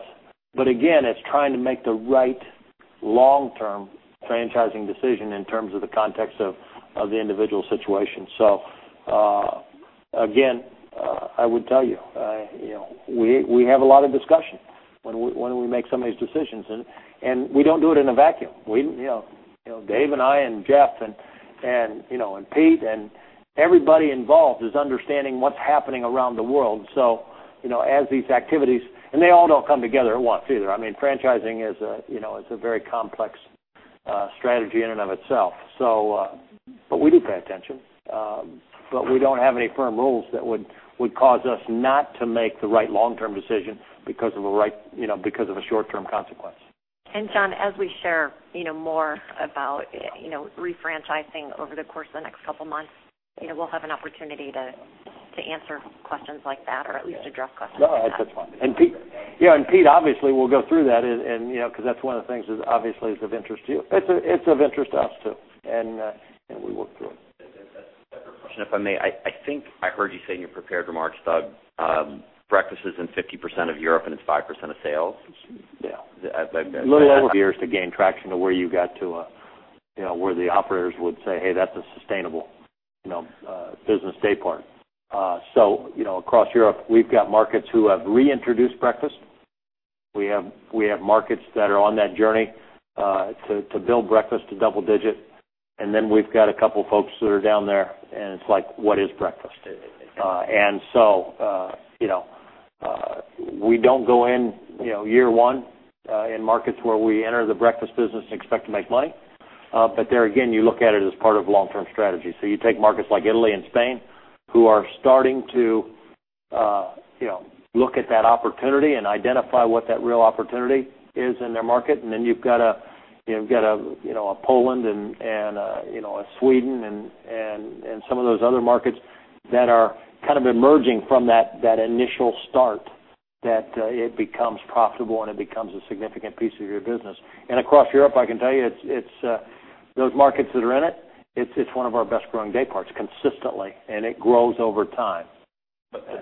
Again, it's trying to make the right long-term franchising decision in terms of the context of the individual situation. Again, I would tell you, we have a lot of discussion when we make some of these decisions, and we don't do it in a vacuum. Dave and I and Jeff and Pete and everybody involved is understanding what's happening around the world. They all don't come together at once either. Franchising is a very complex strategy in and of itself. We do pay attention. We don't have any firm rules that would cause us not to make the right long-term decision because of a short-term consequence. John, as we share more about refranchising over the course of the next couple of months, we'll have an opportunity to answer questions like that or at least address questions like that. No, that's fine. Pete, obviously, will go through that because that's one of the things that obviously is of interest to you. It's of interest to us, too, and we work through it. If I may, I think I heard you say in your prepared remarks, Doug, breakfast is in 50% of Europe, and it's 5% of sales. Yeah. A little over. years to gain traction to where you got to where the operators would say, "Hey, that's a sustainable business day part." Across Europe, we've got markets who have reintroduced breakfast. We have markets that are on that journey to build breakfast to double-digit, then we've got a couple of folks that are down there, and it's like, what is breakfast? We don't go in year one in markets where we enter the breakfast business and expect to make money. There again, you look at it as part of long-term strategy. You take markets like Italy and Spain, who are starting to look at that opportunity and identify what that real opportunity is in their market, then you've got a Poland and a Sweden and some of those other markets that are kind of emerging from that initial start that it becomes profitable, and it becomes a significant piece of your business. Across Europe, I can tell you, those markets that are in it's one of our best growing day parts consistently, and it grows over time.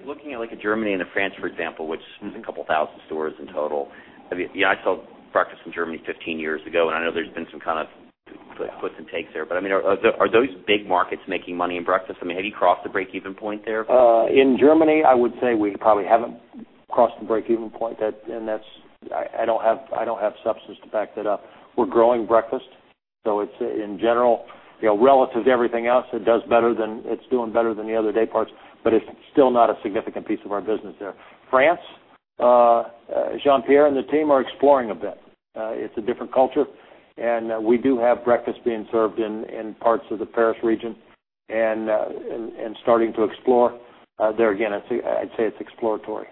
Looking at Germany and France, for example, which is a couple of thousand stores in total. I saw breakfast in Germany 15 years ago, and I know there's been some kind of puts and takes there. Are those big markets making money in breakfast? Have you crossed the break-even point there? In Germany, I would say we probably haven't crossed the break-even point. I don't have substance to back that up. We're growing breakfast, so it's, in general, relative to everything else, it's doing better than the other day parts, but it's still not a significant piece of our business there. France, Jean-Pierre and the team are exploring a bit. It's a different culture, and we do have breakfast being served in parts of the Paris region. Starting to explore. There again, I'd say it's exploratory.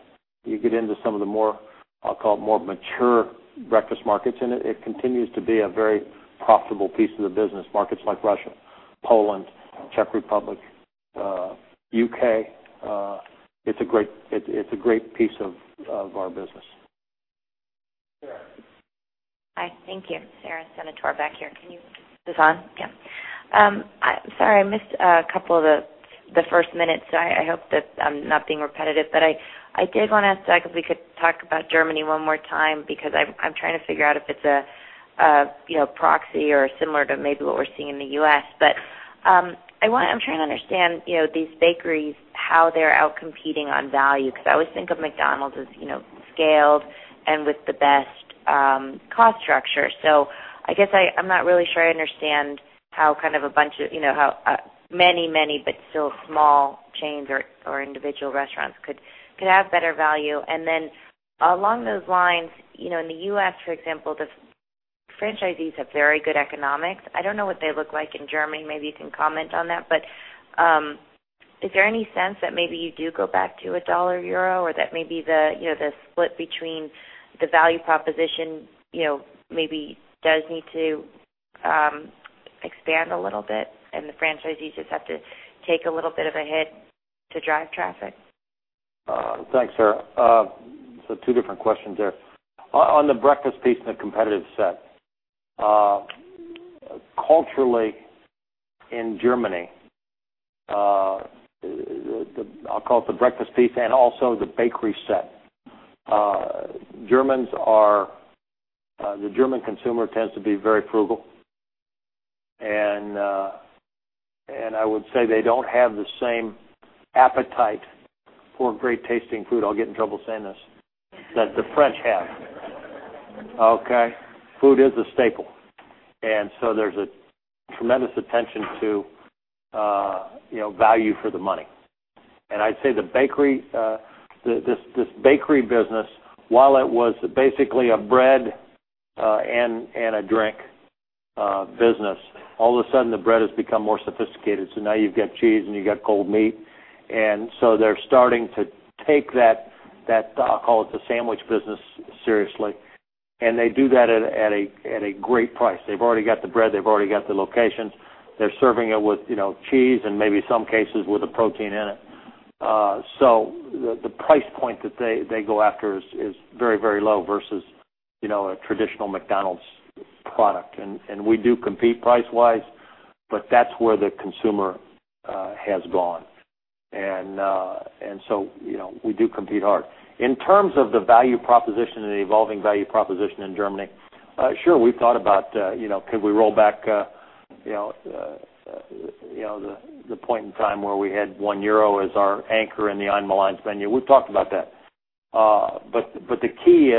You get into some of the more, I'll call it, more mature breakfast markets, and it continues to be a very profitable piece of the business. Markets like Russia, Poland, Czech Republic, U.K., it's a great piece of our business. Sarah. Hi, thank you. Sara Senatore back here. Is this on? Yeah. I'm sorry, I missed a couple of the first minute, so I hope that I'm not being repetitive. I did want to ask if we could talk about Germany one more time, because I'm trying to figure out if it's a proxy or similar to maybe what we're seeing in the U.S. I'm trying to understand, these bakeries, how they're out-competing on value. I always think of McDonald's as scaled and with the best cost structure. I guess I'm not really sure I understand how many but still small chains or individual restaurants could have better value. Along those lines, in the U.S., for example, the franchisees have very good economics. I don't know what they look like in Germany. Maybe you can comment on that. Is there any sense that maybe you do go back to a dollar euro, or that maybe the split between the value proposition maybe does need to expand a little bit, and the franchisees just have to take a little bit of a hit to drive traffic? Thanks, Sarah. Two different questions there. On the breakfast piece and the competitive set. Culturally, in Germany, I'll call it the breakfast piece and also the bakery set. The German consumer tends to be very frugal, and I would say they don't have the same appetite for great tasting food, I'll get in trouble saying this, that the French have. Okay. Food is a staple, there's a tremendous attention to value for the money. I'd say this bakery business, while it was basically a bread and a drink business, all of a sudden the bread has become more sophisticated. Now you've got cheese and you've got cold meat, they're starting to take that, I'll call it the sandwich business, seriously, and they do that at a great price. They've already got the bread, they've already got the locations. They're serving it with cheese and maybe some cases with a protein in it. The price point that they go after is very low versus a traditional McDonald's product. We do compete price-wise, but that's where the consumer has gone. We do compete hard. In terms of the value proposition and the evolving value proposition in Germany, sure, we've thought about could we roll back the point in time where we had 1 euro as our anchor in the Einmal Eins menu? We've talked about that. The key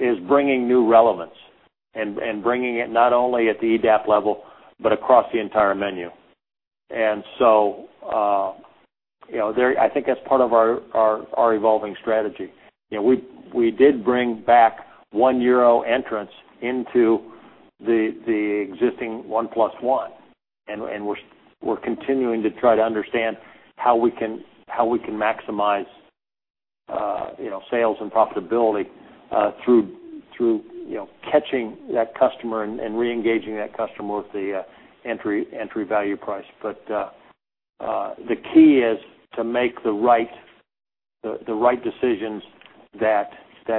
is bringing new relevance and bringing it not only at the EDAP level, but across the entire menu. I think that's part of our evolving strategy. We did bring back 1 euro entrance into the existing One Plus One, we're continuing to try to understand how we can maximize sales and profitability through catching that customer and reengaging that customer with the entry value price. The key is to make the right decisions that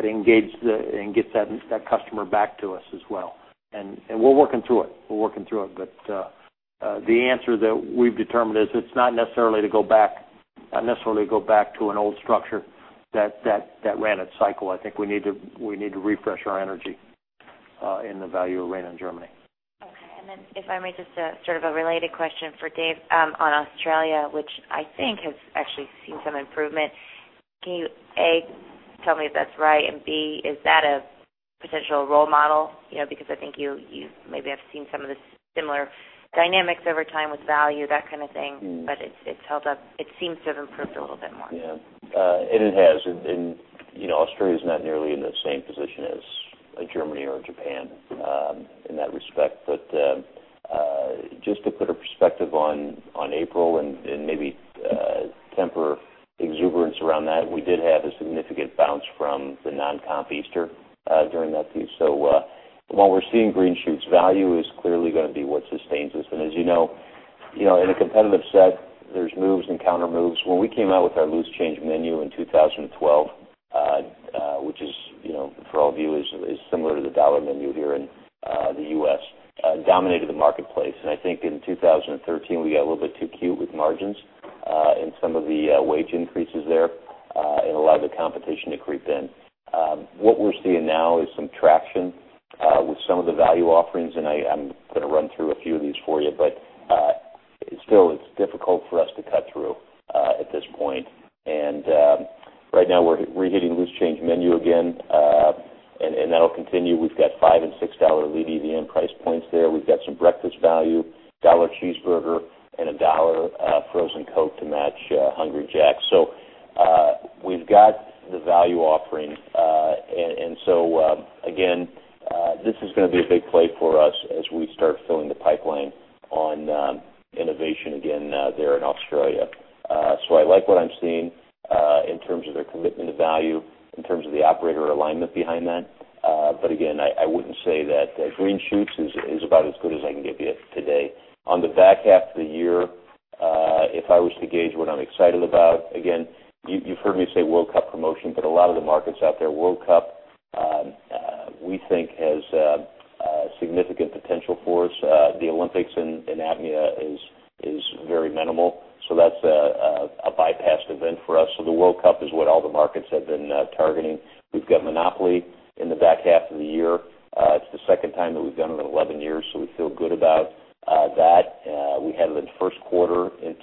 engage and gets that customer back to us as well. We're working through it, but the answer that we've determined is it's not necessarily to go back to an old structure that ran its cycle. I think we need to refresh our energy in the value arena in Germany. Okay. If I may, just sort of a related question for Dave on Australia, which I think has actually seen some improvement. Can you, A, tell me if that's right, and B, is that a potential role model? Because I think you maybe have seen some of the similar dynamics over time with value, that kind of thing, but it's held up. It seems to have improved a little bit more. Yeah. It has. Australia's not nearly in the same position as a Germany or a Japan in that respect. Just to put a perspective on April and maybe temper exuberance around that, we did have a significant bounce from the non-comp Easter during that piece. While we're seeing green shoots, value is clearly going to be what sustains us. As you know, in a competitive set, there's moves and countermoves. When we came out with our Loose Change Menu in 2012, which is, for all of you, is similar to the dollar menu here in the U.S., dominated the marketplace. I think in 2013, we got a little bit too cute with margins, and some of the wage increases there, it allowed the competition to creep in. What we're seeing now is some traction with some of the value offerings, I'm going to run through a few of these for you, still, it's difficult for us to cut through at this point. Right now we're hitting Loose Change Menu again, that'll continue. We've got $5 and $6 lead EVM price points there. We've got some breakfast value, $1 cheeseburger, and a $1 Frozen Coke to match Hungry Jack's. We've got the value offering, again This is going to be a big play for us as we start filling the pipeline on innovation again there in Australia. I like what I'm seeing in terms of their commitment to value, in terms of the operator alignment behind that. Again, green shoots is about as good as I can give you today. On the back half of the year, if I was to gauge what I'm excited about, again, you've heard me say World Cup promotion, but a lot of the markets out there, World Cup, we think, has significant potential for us. The Olympics in APMEA is very minimal, that's a bypassed event for us. The World Cup is what all the markets have been targeting. We've got Monopoly in the back half of the year. It's the second time that we've done it in 11 years, we feel good about that. We had it in the first quarter in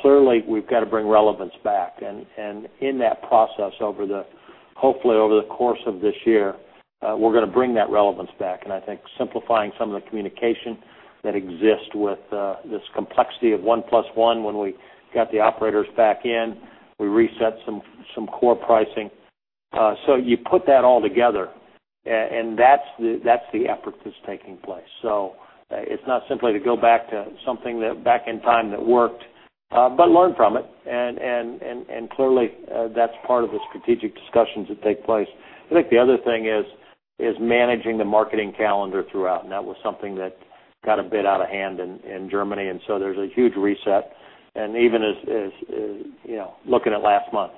Clearly, we've got to bring relevance back. In that process, hopefully, over the course of this year, we're going to bring that relevance back, I think simplifying some of the communication that exists with this complexity of One Plus One. When we got the operators back in, we reset some core pricing. You put that all together, that's the effort that's taking place. It's not simply to go back to something back in time that worked, but learn from it. Clearly, that's part of the strategic discussions that take place. I think the other thing is managing the marketing calendar throughout, and that was something that got a bit out of hand in Germany, and there's a huge reset. Even looking at last month,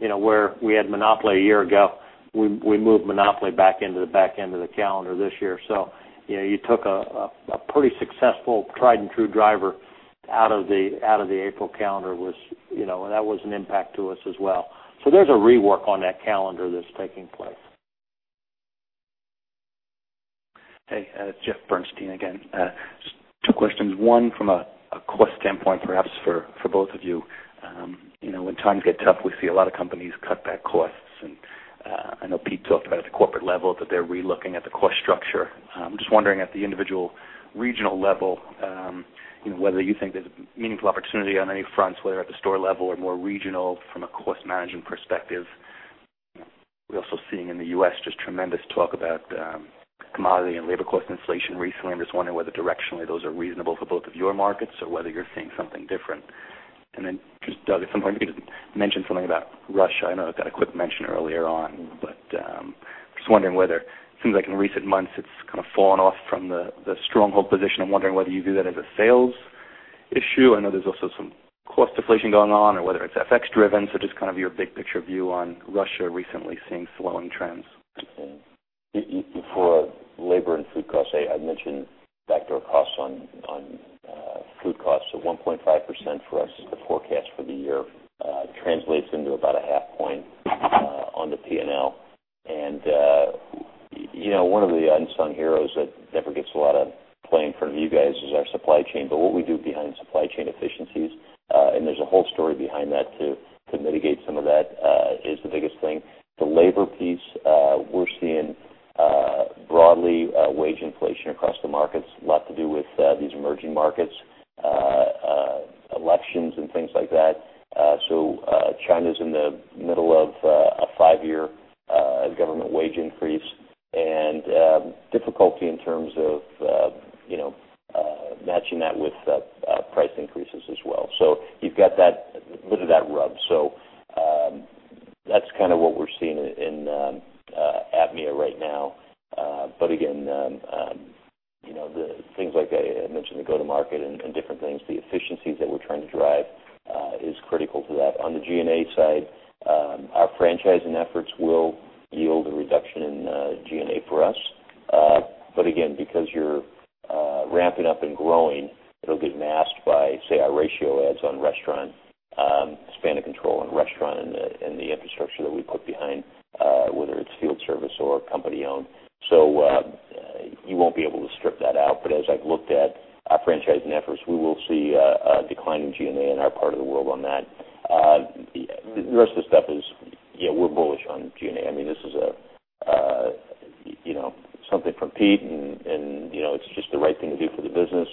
where we had Monopoly a year ago, we moved Monopoly back into the back end of the calendar this year. You took a pretty successful tried and true driver out of the April calendar, and that was an impact to us as well. There's a rework on that calendar that's taking place. Hey, Jeff Bernstein again. Just two questions. One from a cost standpoint, perhaps for both of you. When times get tough, we see a lot of companies cut back costs. I know Pete talked about at the corporate level that they're re-looking at the cost structure. I'm just wondering at the individual regional level, whether you think there's a meaningful opportunity on any fronts, whether at the store level or more regional from a cost management perspective. We're also seeing in the U.S. just tremendous talk about commodity and labor cost inflation recently. I'm just wondering whether directionally those are reasonable for both of your markets or whether you're seeing something different. Then just, Doug, at some point, you could just mention something about Russia. I know it got a quick mention earlier on, just wondering whether it seems like in recent months it's kind of fallen off from the stronghold position. I'm wondering whether you view that as a sales issue. I know there's also some cost deflation going on or whether it's FX driven. Just kind of your big picture view on Russia recently seeing slowing trends. For labor and food costs, I mentioned factor costs on food costs of 1.5% for us. The forecast for the year translates into about a half point on the P&L. One of the unsung heroes that never gets a lot of play in front of you guys is our supply chain, but what we do behind supply chain efficiencies, and there's a whole story behind that to mitigate some of that, is the biggest thing. The labor piece, we're seeing broadly wage inflation across the markets, a lot to do with these emerging markets Elections and things like that. China's in the middle of a five-year government wage increase, and difficulty in terms of matching that with price increases as well. You've got that bit of that rub. That's kind of what we're seeing in APMEA right now. Again, the things like I mentioned, the go-to-market and different things, the efficiencies that we're trying to drive is critical to that. On the G&A side, our franchising efforts will yield a reduction in G&A for us. Again, because you're ramping up and growing, it'll get masked by, say, our ratio ads on restaurant, span of control in restaurant, and the infrastructure that we put behind, whether it's field service or company-owned. You won't be able to strip that out. As I've looked at our franchising efforts, we will see a decline in G&A in our part of the world on that. The rest of the stuff is we're bullish on G&A. This is something from Pete and it's just the right thing to do for the business.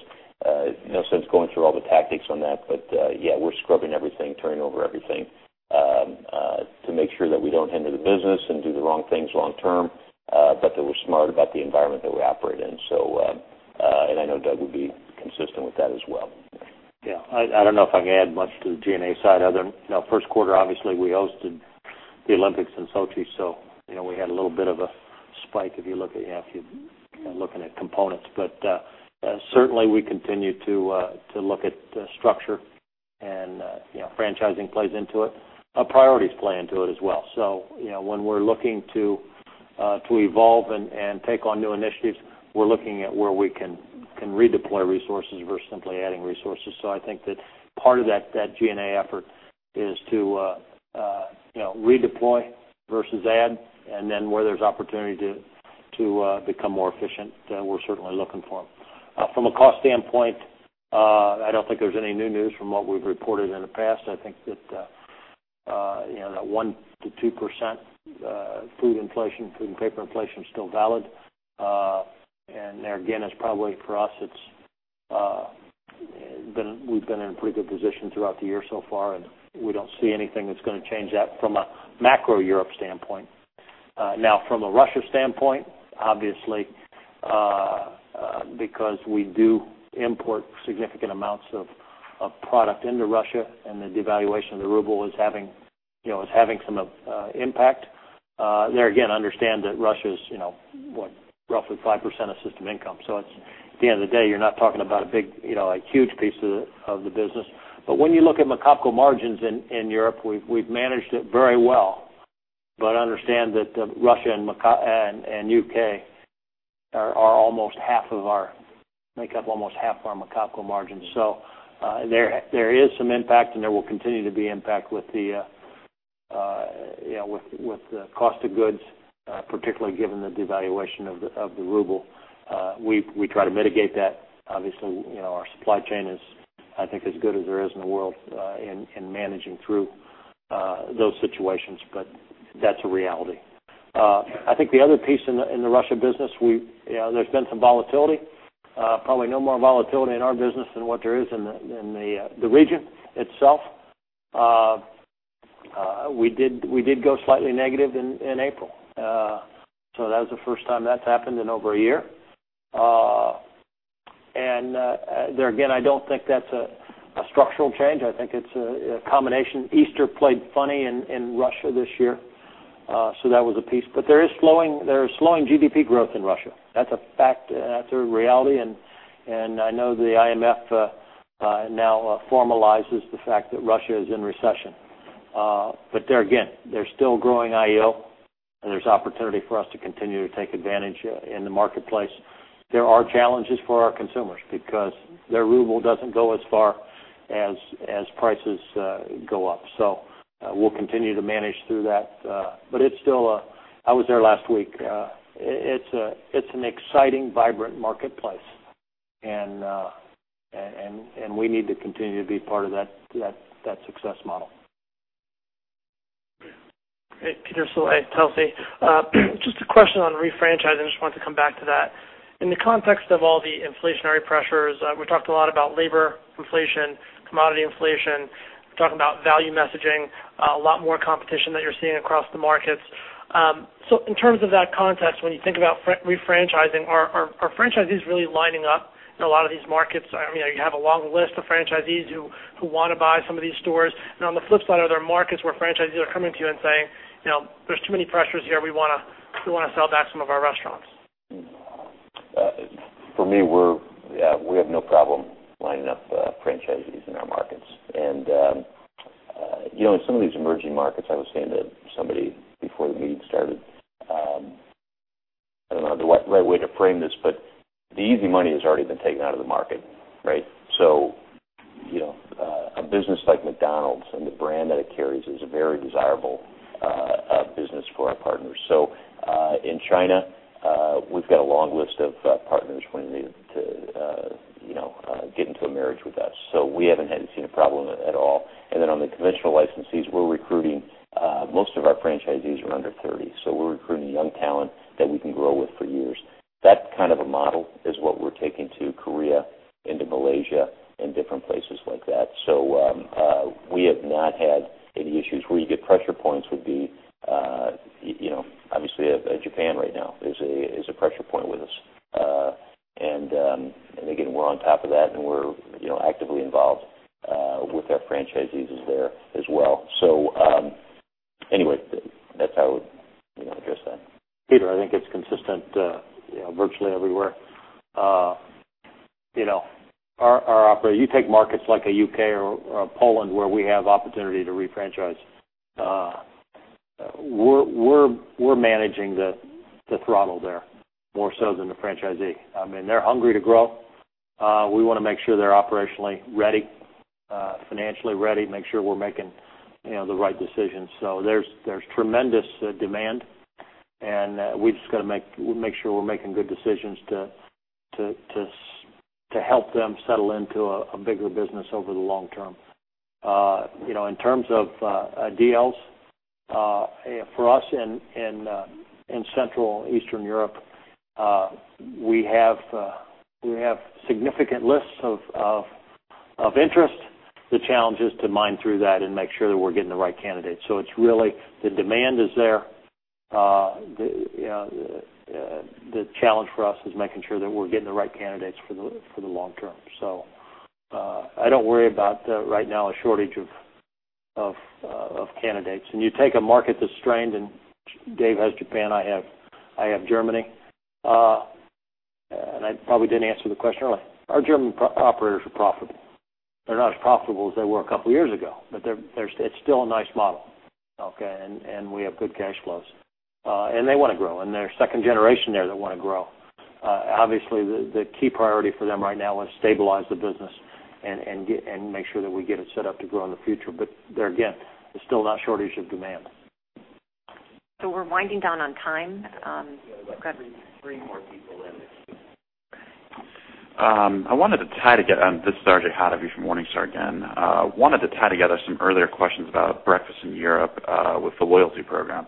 No sense going through all the tactics on that. Yeah, we're scrubbing everything, turning over everything, to make sure that we don't hinder the business and do the wrong things long term, but that we're smart about the environment that we operate in. I know Doug would be consistent with that as well. Yeah, I don't know if I can add much to the G&A side other than first quarter, obviously, we hosted the Olympics in Sochi, so we had a little bit of a spike if you're looking at components. Certainly, we continue to look at the structure and franchising plays into it. Priorities play into it as well. When we're looking to evolve and take on new initiatives, we're looking at where we can redeploy resources versus simply adding resources. I think that part of that G&A effort is to redeploy versus add, and then where there's opportunity to become more efficient, then we're certainly looking for them. From a cost standpoint, I don't think there's any new news from what we've reported in the past. I think that 1%-2% food inflation, food and paper inflation, is still valid. There, again, is probably for us, we've been in a pretty good position throughout the year so far, and we don't see anything that's going to change that from a macro Europe standpoint. From a Russia standpoint, obviously, because we do import significant amounts of product into Russia, and the devaluation of the ruble is having some impact. There again, understand that Russia's roughly 5% of system income. At the end of the day, you're not talking about a huge piece of the business. When you look at McOpCo margins in Europe, we've managed it very well. Understand that Russia and U.K. make up almost half of our McOpCo margins. There is some impact, and there will continue to be impact with the cost of goods, particularly given the devaluation of the ruble. We try to mitigate that. Obviously, our supply chain is, I think, as good as there is in the world in managing through those situations, but that's a reality. I think the other piece in the Russia business, there's been some volatility. Probably no more volatility in our business than what there is in the region itself. We did go slightly negative in April. That was the first time that's happened in over a year. There again, I don't think that's a structural change. I think it's a combination. Easter played funny in Russia this year. That was a piece. There is slowing GDP growth in Russia. That's a fact. That's a reality. I know the IMF now formalizes the fact that Russia is in recession. There again, they're still growing IO, and there's opportunity for us to continue to take advantage in the marketplace. There are challenges for our consumers because their ruble doesn't go as far as prices go up. We'll continue to manage through that. I was there last week. It's an exciting, vibrant marketplace, and we need to continue to be part of that success model. Great. Peter Saleh, Telsey. Just a question on refranchising. I just wanted to come back to that. In the context of all the inflationary pressures, we talked a lot about labor inflation, commodity inflation. We talked about value messaging, a lot more competition that you're seeing across the markets. In terms of that context, when you think about refranchising, are franchisees really lining up in a lot of these markets? You have a long list of franchisees who want to buy some of these stores. On the flip side, are there markets where franchisees are coming to you and saying, "There's too many pressures here. We want to sell back some of our restaurants"? For me, we have no problem lining up franchisees in our markets. In some of these emerging markets, I was saying to somebody before the meeting started, I don't know the right way to frame this, the easy money has already been taken out of the market, right? A business like McDonald's and the brand that it carries is a very desirable business for our partners. In China, we've got a long list of partners wanting to get into a marriage with us. We haven't seen a problem. At all. Then on the conventional licensees, most of our franchisees are under 30, we're recruiting young talent that we can grow with for years. That kind of a model is what we're taking to Korea, into Malaysia, and different places like that. We have not had any issues. Where you get pressure points would be, obviously, Japan right now is a pressure point with us. Again, we're on top of that, and we're actively involved with our franchisees there as well. Anyway, that's how I would address that. Peter, I think it's consistent virtually everywhere. You take markets like a U.K. or Poland where we have opportunity to re-franchise. We're managing the throttle there more so than the franchisee. They're hungry to grow. We want to make sure they're operationally ready, financially ready, make sure we're making the right decisions. There's tremendous demand, and we've just got to make sure we're making good decisions to help them settle into a bigger business over the long term. In terms of DLs, for us in Central Eastern Europe, we have significant lists of interest. The challenge is to mine through that and make sure that we're getting the right candidates. The demand is there. The challenge for us is making sure that we're getting the right candidates for the long term. I don't worry about, right now, a shortage of candidates. You take a market that's strained, and Dave has Japan, I have Germany. I probably didn't answer the question earlier. Our German operators are profitable. They're not as profitable as they were a couple of years ago, but it's still a nice model, okay? We have good cash flows. They want to grow, and there are second generation there that want to grow. Obviously, the key priority for them right now is stabilize the business and make sure that we get it set up to grow in the future. There, again, there's still not shortage of demand. We're winding down on time. Go ahead. We have about three more people in the queue. Okay. This is RJ Hottovy from Morningstar again. I wanted to tie together some earlier questions about breakfast in Europe with the loyalty program.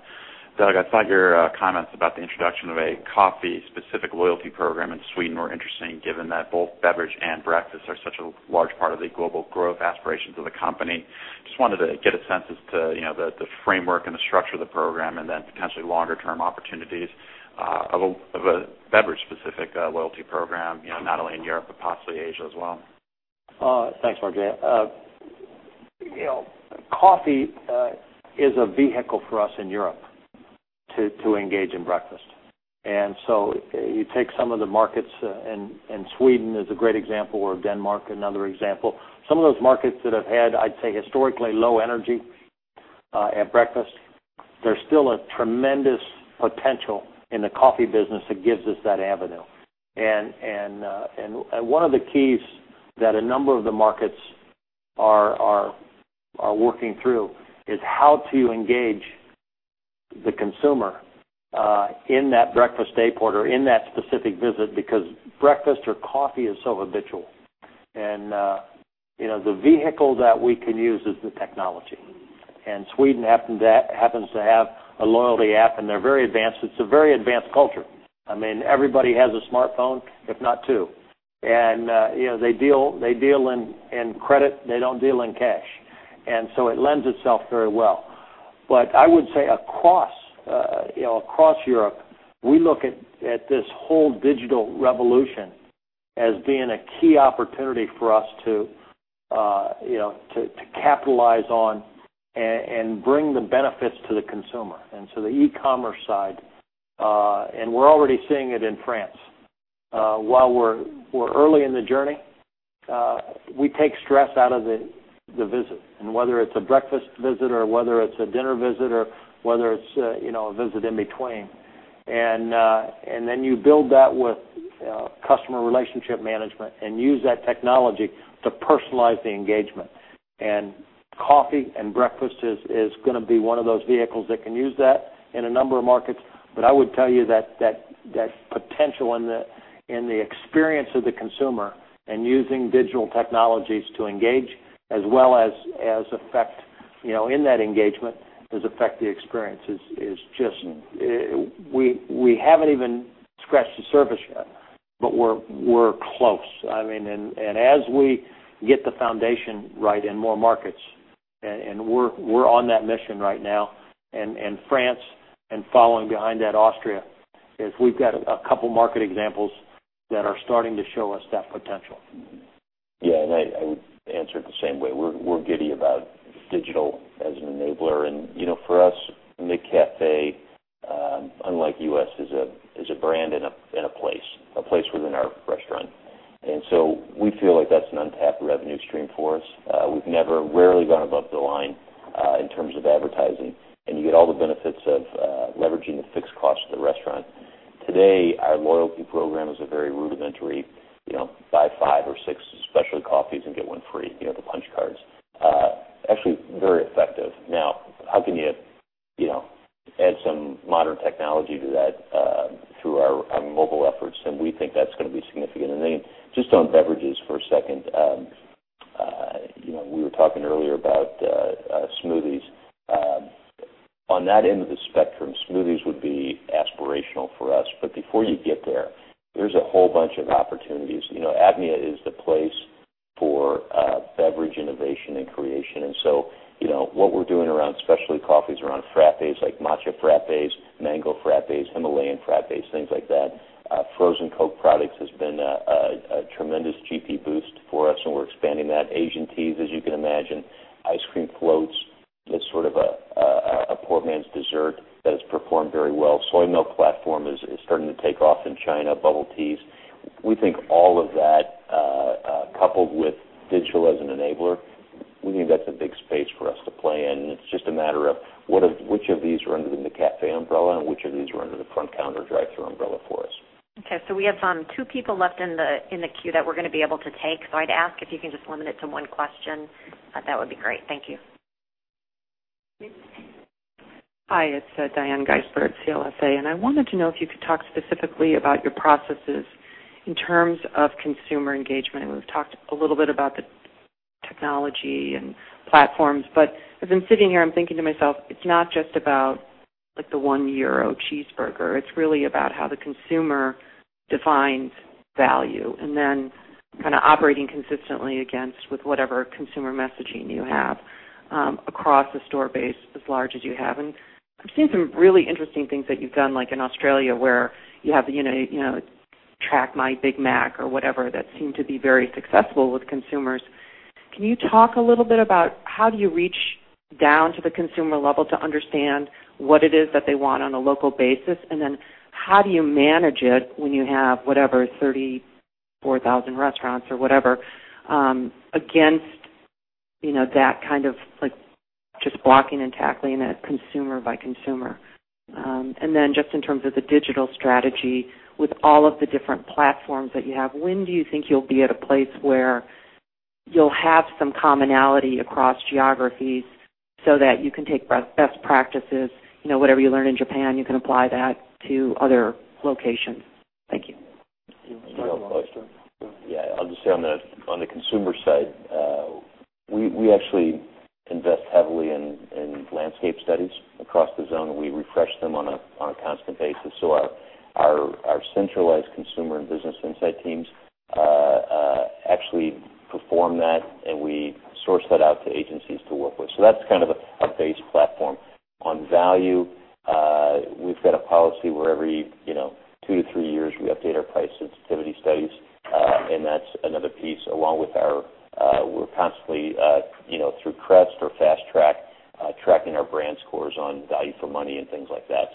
Doug, I thought your comments about the introduction of a coffee-specific loyalty program in Sweden were interesting, given that both beverage and breakfast are such a large part of the global growth aspirations of the company. Just wanted to get a sense as to the framework and the structure of the program, then potentially longer-term opportunities of a beverage-specific loyalty program, not only in Europe, but possibly Asia as well. Thanks, RJ. Coffee is a vehicle for us in Europe to engage in breakfast. So you take some of the markets, and Sweden is a great example, or Denmark, another example. Some of those markets that have had, I'd say, historically low energy at breakfast, there's still a tremendous potential in the coffee business that gives us that avenue. One of the keys that a number of the markets are working through is how to engage the consumer in that breakfast daypart or in that specific visit because breakfast or coffee is so habitual. The vehicle that we can use is the technology. Sweden happens to have a loyalty app, and they're very advanced. It's a very advanced culture. Everybody has a smartphone, if not two. They deal in credit, they don't deal in cash. So it lends itself very well. I would say across Europe, we look at this whole digital revolution as being a key opportunity for us to capitalize on and bring the benefits to the consumer. So the e-commerce side, and we're already seeing it in France. While we're early in the journey, we take stress out of the visit, and whether it's a breakfast visit or whether it's a dinner visit or whether it's a visit in between. Then you build that with customer relationship management and use that technology to personalize the engagement. Coffee and breakfast is going to be one of those vehicles that can use that in a number of markets. I would tell you that potential in the experience of the consumer and using digital technologies to engage as well as affect the experience, we haven't even scratched the surface yet, but we're close. As we get the foundation right in more markets, and we're on that mission right now, and France, and following behind that, Austria, we've got a couple market examples that are starting to show us that potential. I would answer it the same way. We're giddy about digital as an enabler. For us, McCafé, unlike U.S., is a brand and a place within our restaurant. We feel like that's an untapped revenue stream for us. We've never rarely gone above the line in terms of advertising, and you get all the benefits of leveraging the fixed cost of the restaurant. Today, our loyalty program is a very rudimentary buy five or six specialty coffees and get one free, the punch cards. Actually, very effective. How can you add some modern technology to that? On mobile efforts, and we think that's going to be significant. Just on beverages for a second. We were talking earlier about smoothies. On that end of the spectrum, smoothies would be aspirational for us, but before you get there's a whole bunch of opportunities. APMEA is the place for beverage innovation and creation. What we're doing around specialty coffees, around frappes like matcha frappes, mango frappes, Himalayan frappes, things like that. Frozen Coke products has been a tremendous GP boost for us, and we're expanding that. Asian teas, as you can imagine, ice cream floats as sort of a poor man's dessert, has performed very well. Soy milk platform is starting to take off in China. Bubble teas. We think all of that, coupled with digital as an enabler, we think that's a big space for us to play in. It's just a matter of which of these are under the McCafé umbrella and which of these are under the front counter drive-through umbrella for us. We have two people left in the queue that we're going to be able to take. I'd ask if you can just limit it to one question. That would be great. Thank you. Hi, it's Diane Gingrich Berg, CLSA. I wanted to know if you could talk specifically about your processes in terms of consumer engagement. We've talked a little bit about the technology and platforms, as I'm sitting here, I'm thinking to myself, it's not just about the 1 euro cheeseburger. It's really about how the consumer defines value, then kind of operating consistently against whatever consumer messaging you have across a store base as large as you have. I've seen some really interesting things that you've done, like in Australia, where you have Track My Macca's or whatever that seem to be very successful with consumers. Can you talk a little bit about how do you reach down to the consumer level to understand what it is that they want on a local basis, then how do you manage it when you have, whatever, 34,000 restaurants or whatever, against that kind of just blocking and tackling it consumer by consumer? Just in terms of the digital strategy with all of the different platforms that you have, when do you think you'll be at a place where you'll have some commonality across geographies so that you can take best practices, whatever you learn in Japan, you can apply that to other locations. Thank you. Yeah. I'll just say on the consumer side, we actually invest heavily in landscape studies across the zone. We refresh them on a constant basis. Our centralized consumer and business insight teams actually perform that. We source that out to agencies to work with. That's kind of a base platform. On value, we've got a policy where every two to three years, we update our price sensitivity studies, that's another piece along with our, we're constantly, through CREST or FastTrack, tracking our brand scores on value for money and things like that.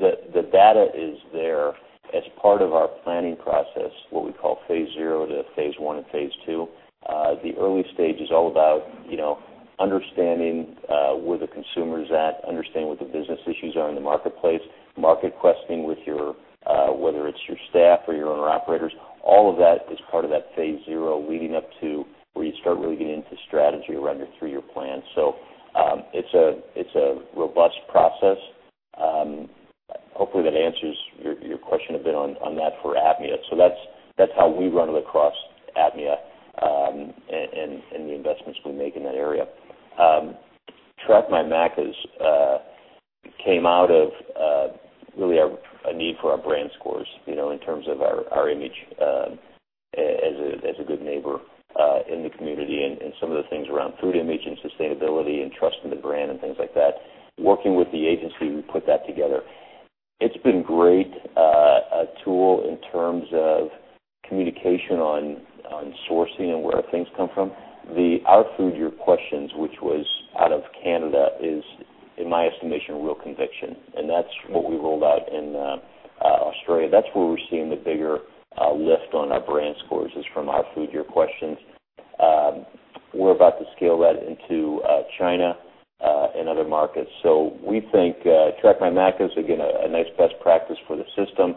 The data is there as part of our planning process, what we call phase zero to phase one and phase two. The early stage is all about understanding where the consumer is at, understanding what the business issues are in the marketplace, market questioning with your, whether it's your staff or your owner-operators. All of that is part of that phase zero leading up to where you start really getting into strategy around your three-year plan. It's a robust process. Hopefully, that answers your question a bit on that for APMEA. That's how we run it across APMEA the investments we make in that area. Track My Macca's came out of really a need for our brand scores in terms of our image as a Good Neighbor in the community some of the things around food image and sustainability and trust in the brand and things like that. Working with the agency, we put that together. It's been a great tool in terms of communication on sourcing and where things come from. The Our Food. Your Questions., which was out of Canada, is, in my estimation, real conviction, and that's what we rolled out in Australia. That's where we're seeing the bigger lift on our brand scores is from Our Food. Your Questions.. We're about to scale that into China and other markets. We think Track My Macca's is, again, a nice best practice for the system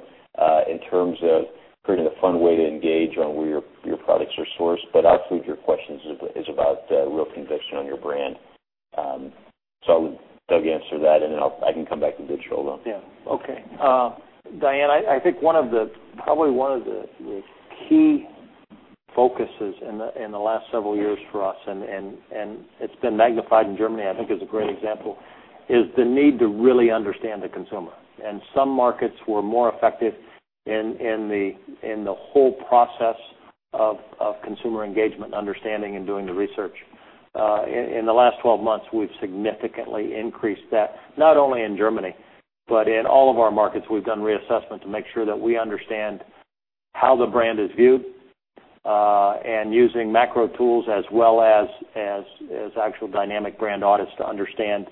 in terms of creating a fun way to engage on where your products are sourced. Our Food. Your Questions. is about real conviction on your brand. Doug answer that, and then I can come back to digital then. Diane, I think probably one of the key focuses in the last several years for us, and it's been magnified in Germany, I think is a great example, is the need to really understand the consumer. Some markets were more effective in the whole process of consumer engagement, understanding, and doing the research. In the last 12 months, we've significantly increased that, not only in Germany, but in all of our markets, we've done reassessment to make sure that we understand how the brand is viewed and using macro tools as well as actual dynamic brand audits to understand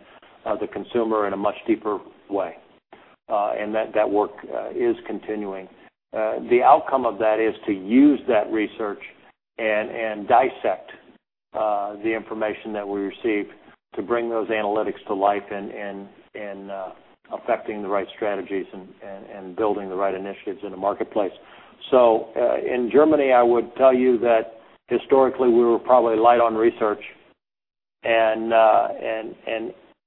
the consumer in a much deeper way. That work is continuing. The outcome of that is to use that research and dissect the information that we receive to bring those analytics to life and affecting the right strategies and building the right initiatives in the marketplace. In Germany, I would tell you that historically we were probably light on research.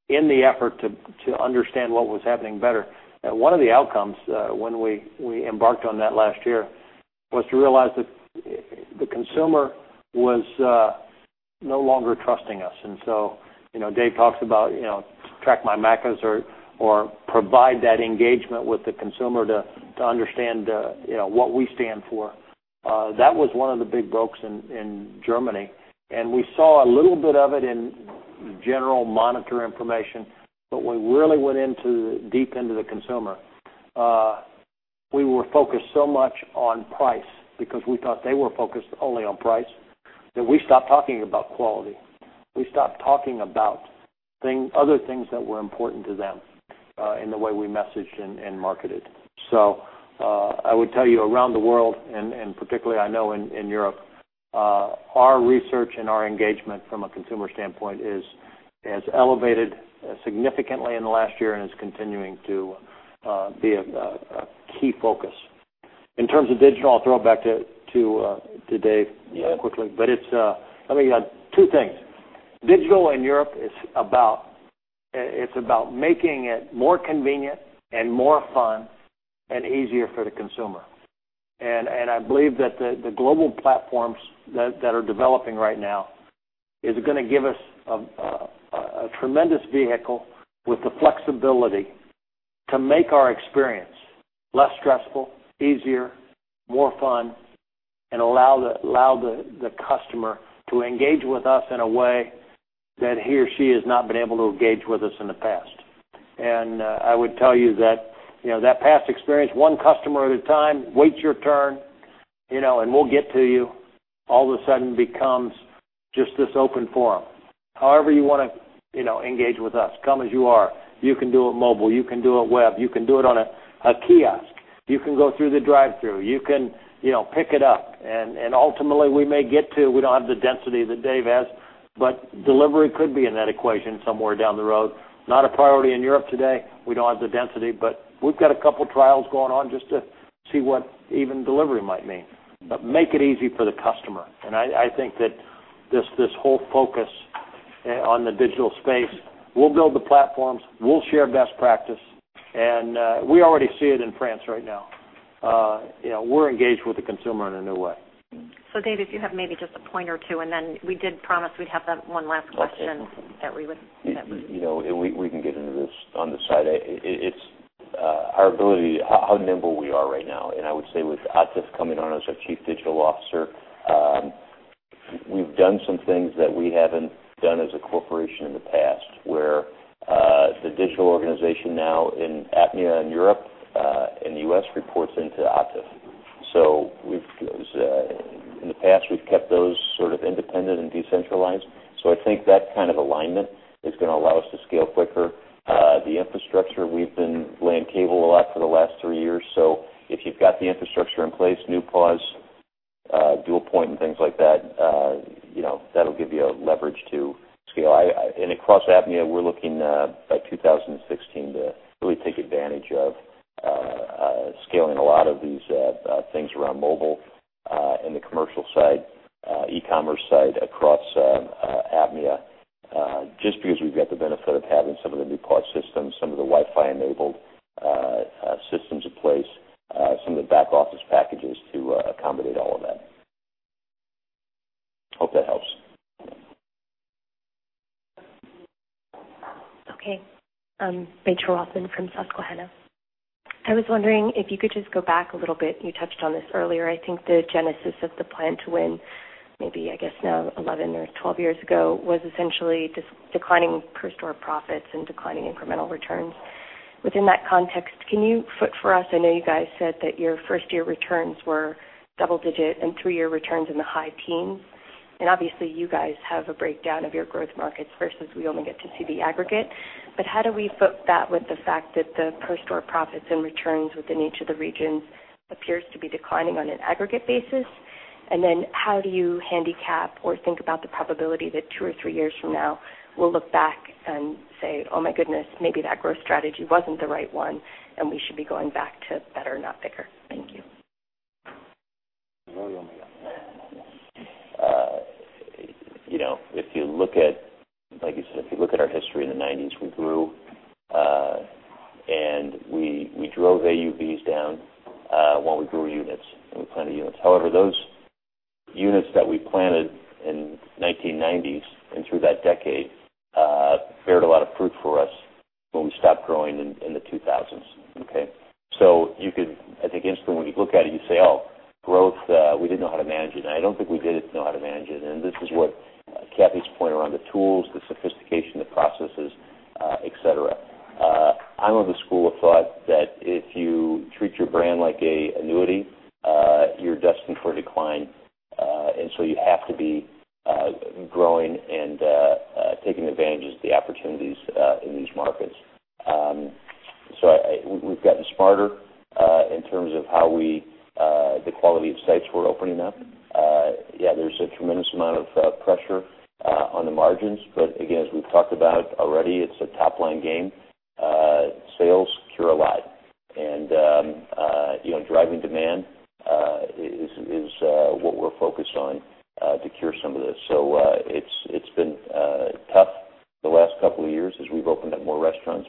In the effort to understand what was happening better, one of the outcomes when we embarked on that last year was to realize that the consumer was no longer trusting us. Dave talks about Track My Macca's or provide that engagement with the consumer to understand what we stand for. That was one of the big breaks in Germany, and we saw a little bit of it in general monitor information. When we really went deep into the consumer, we were focused so much on price because we thought they were focused only on price, that we stopped talking about quality. We stopped talking about other things that were important to them in the way we messaged and marketed. I would tell you, around the world, and particularly I know in Europe, our research and our engagement from a consumer standpoint has elevated significantly in the last year and is continuing to be a key focus. In terms of digital, I'll throw it back to Dave quickly. It's two things. Digital in Europe is about making it more convenient and more fun and easier for the consumer. I believe that the global platforms that are developing right now are going to give us a tremendous vehicle with the flexibility to make our experience less stressful, easier, more fun, and allow the customer to engage with us in a way that he or she has not been able to engage with us in the past. I would tell you that past experience, one customer at a time, wait your turn, and we'll get to you, all of a sudden becomes just this open forum. However you want to engage with us, come as you are. You can do it mobile, you can do it web, you can do it on a kiosk. You can go through the drive-thru. You can pick it up, and ultimately we may get to, we don't have the density that Dave has, but delivery could be in that equation somewhere down the road. Not a priority in Europe today. We don't have the density, but we've got a couple trials going on just to see what even delivery might mean. Make it easy for the customer. I think that this whole focus on the digital space, we'll build the platforms, we'll share best practice, and we already see it in France right now. We're engaged with the consumer in a new way. Dave, if you have maybe just a point or two, and then we did promise we'd have that one last question that we would- We can get into this on the side. It's our ability, how nimble we are right now. I would say with Atif coming on as our Chief Digital Officer, we've done some things that we haven't done as a corporation in the past, where the digital organization now in APMEA and Europe, and the U.S. reports into Atif. In the past, we've kept those sort of independent and decentralized. I think that kind of alignment is going to allow us to scale quicker. The infrastructure, we've been laying cable a lot for the last 3 years. If you've got the infrastructure in place, NewPOS, dual point and things like that'll give you a leverage to scale. Across APMEA, we're looking by 2016 to really take advantage of scaling a lot of these things around mobile in the commercial side, e-commerce side across APMEA, just because we've got the benefit of having some of the new POS systems, some of the Wi-Fi enabled systems in place, some of the back office packages to accommodate all of that. Hope that helps. Okay. Rachael Rothman from Susquehanna. I was wondering if you could just go back a little bit. You touched on this earlier. I think the genesis of the Plan to Win, maybe, I guess now 11 or 12 years ago, was essentially just declining per store profits and declining incremental returns. Within that context, can you foot for us, I know you guys said that your first-year returns were double digit and three-year returns in the high teens, and obviously you guys have a breakdown of your growth markets versus we only get to see the aggregate, but how do we foot that with the fact that the per store profits and returns within each of the regions appears to be declining on an aggregate basis? How do you handicap or think about the probability that two or three years from now we'll look back and say, "Oh my goodness, maybe that growth strategy wasn't the right one, and we should be going back to better, not bigger"? Thank you. If you look at, like you said, if you look at our history in the 1990s, we grew, and we drove AUVs down, while we grew units and we planted units. However, those units that we planted in the 1990s and through that decade, beared a lot of fruit for us when we stopped growing in the 2000s. Okay? I think instantly when you look at it, you say, "Oh, growth, we didn't know how to manage it." I don't think we didn't know how to manage it. This is what Kathy's point around the tools, the sophistication, the processes, et cetera. I'm of the school of thought that if you treat your brand like an annuity, you're destined for decline. You have to be growing and taking advantage of the opportunities in these markets. We've gotten smarter in terms of the quality of sites we're opening up. There's a tremendous amount of pressure on the margins, again, as we've talked about already, it's a top-line game. Sales cure a lot. Driving demand is what we're focused on to cure some of this. It's been tough the last couple of years as we've opened up more restaurants.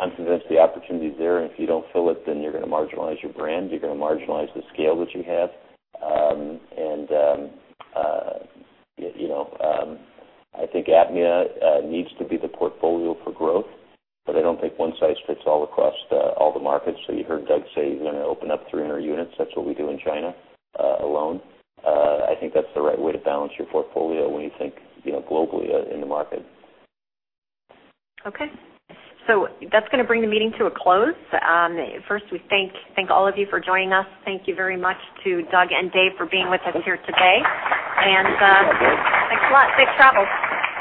I'm convinced the opportunity's there, and if you don't fill it, then you're going to marginalize your brand. You're going to marginalize the scale that you have. I think APMEA needs to be the portfolio for growth, but I don't think one size fits all across all the markets. You heard Doug say he's going to open up 300 units. That's what we do in China alone. I think that's the right way to balance your portfolio when you think globally in the market. That's going to bring the meeting to a close. First, we thank all of you for joining us. Thank you very much to Doug and Dave for being with us here today. Thanks a lot. Safe travels.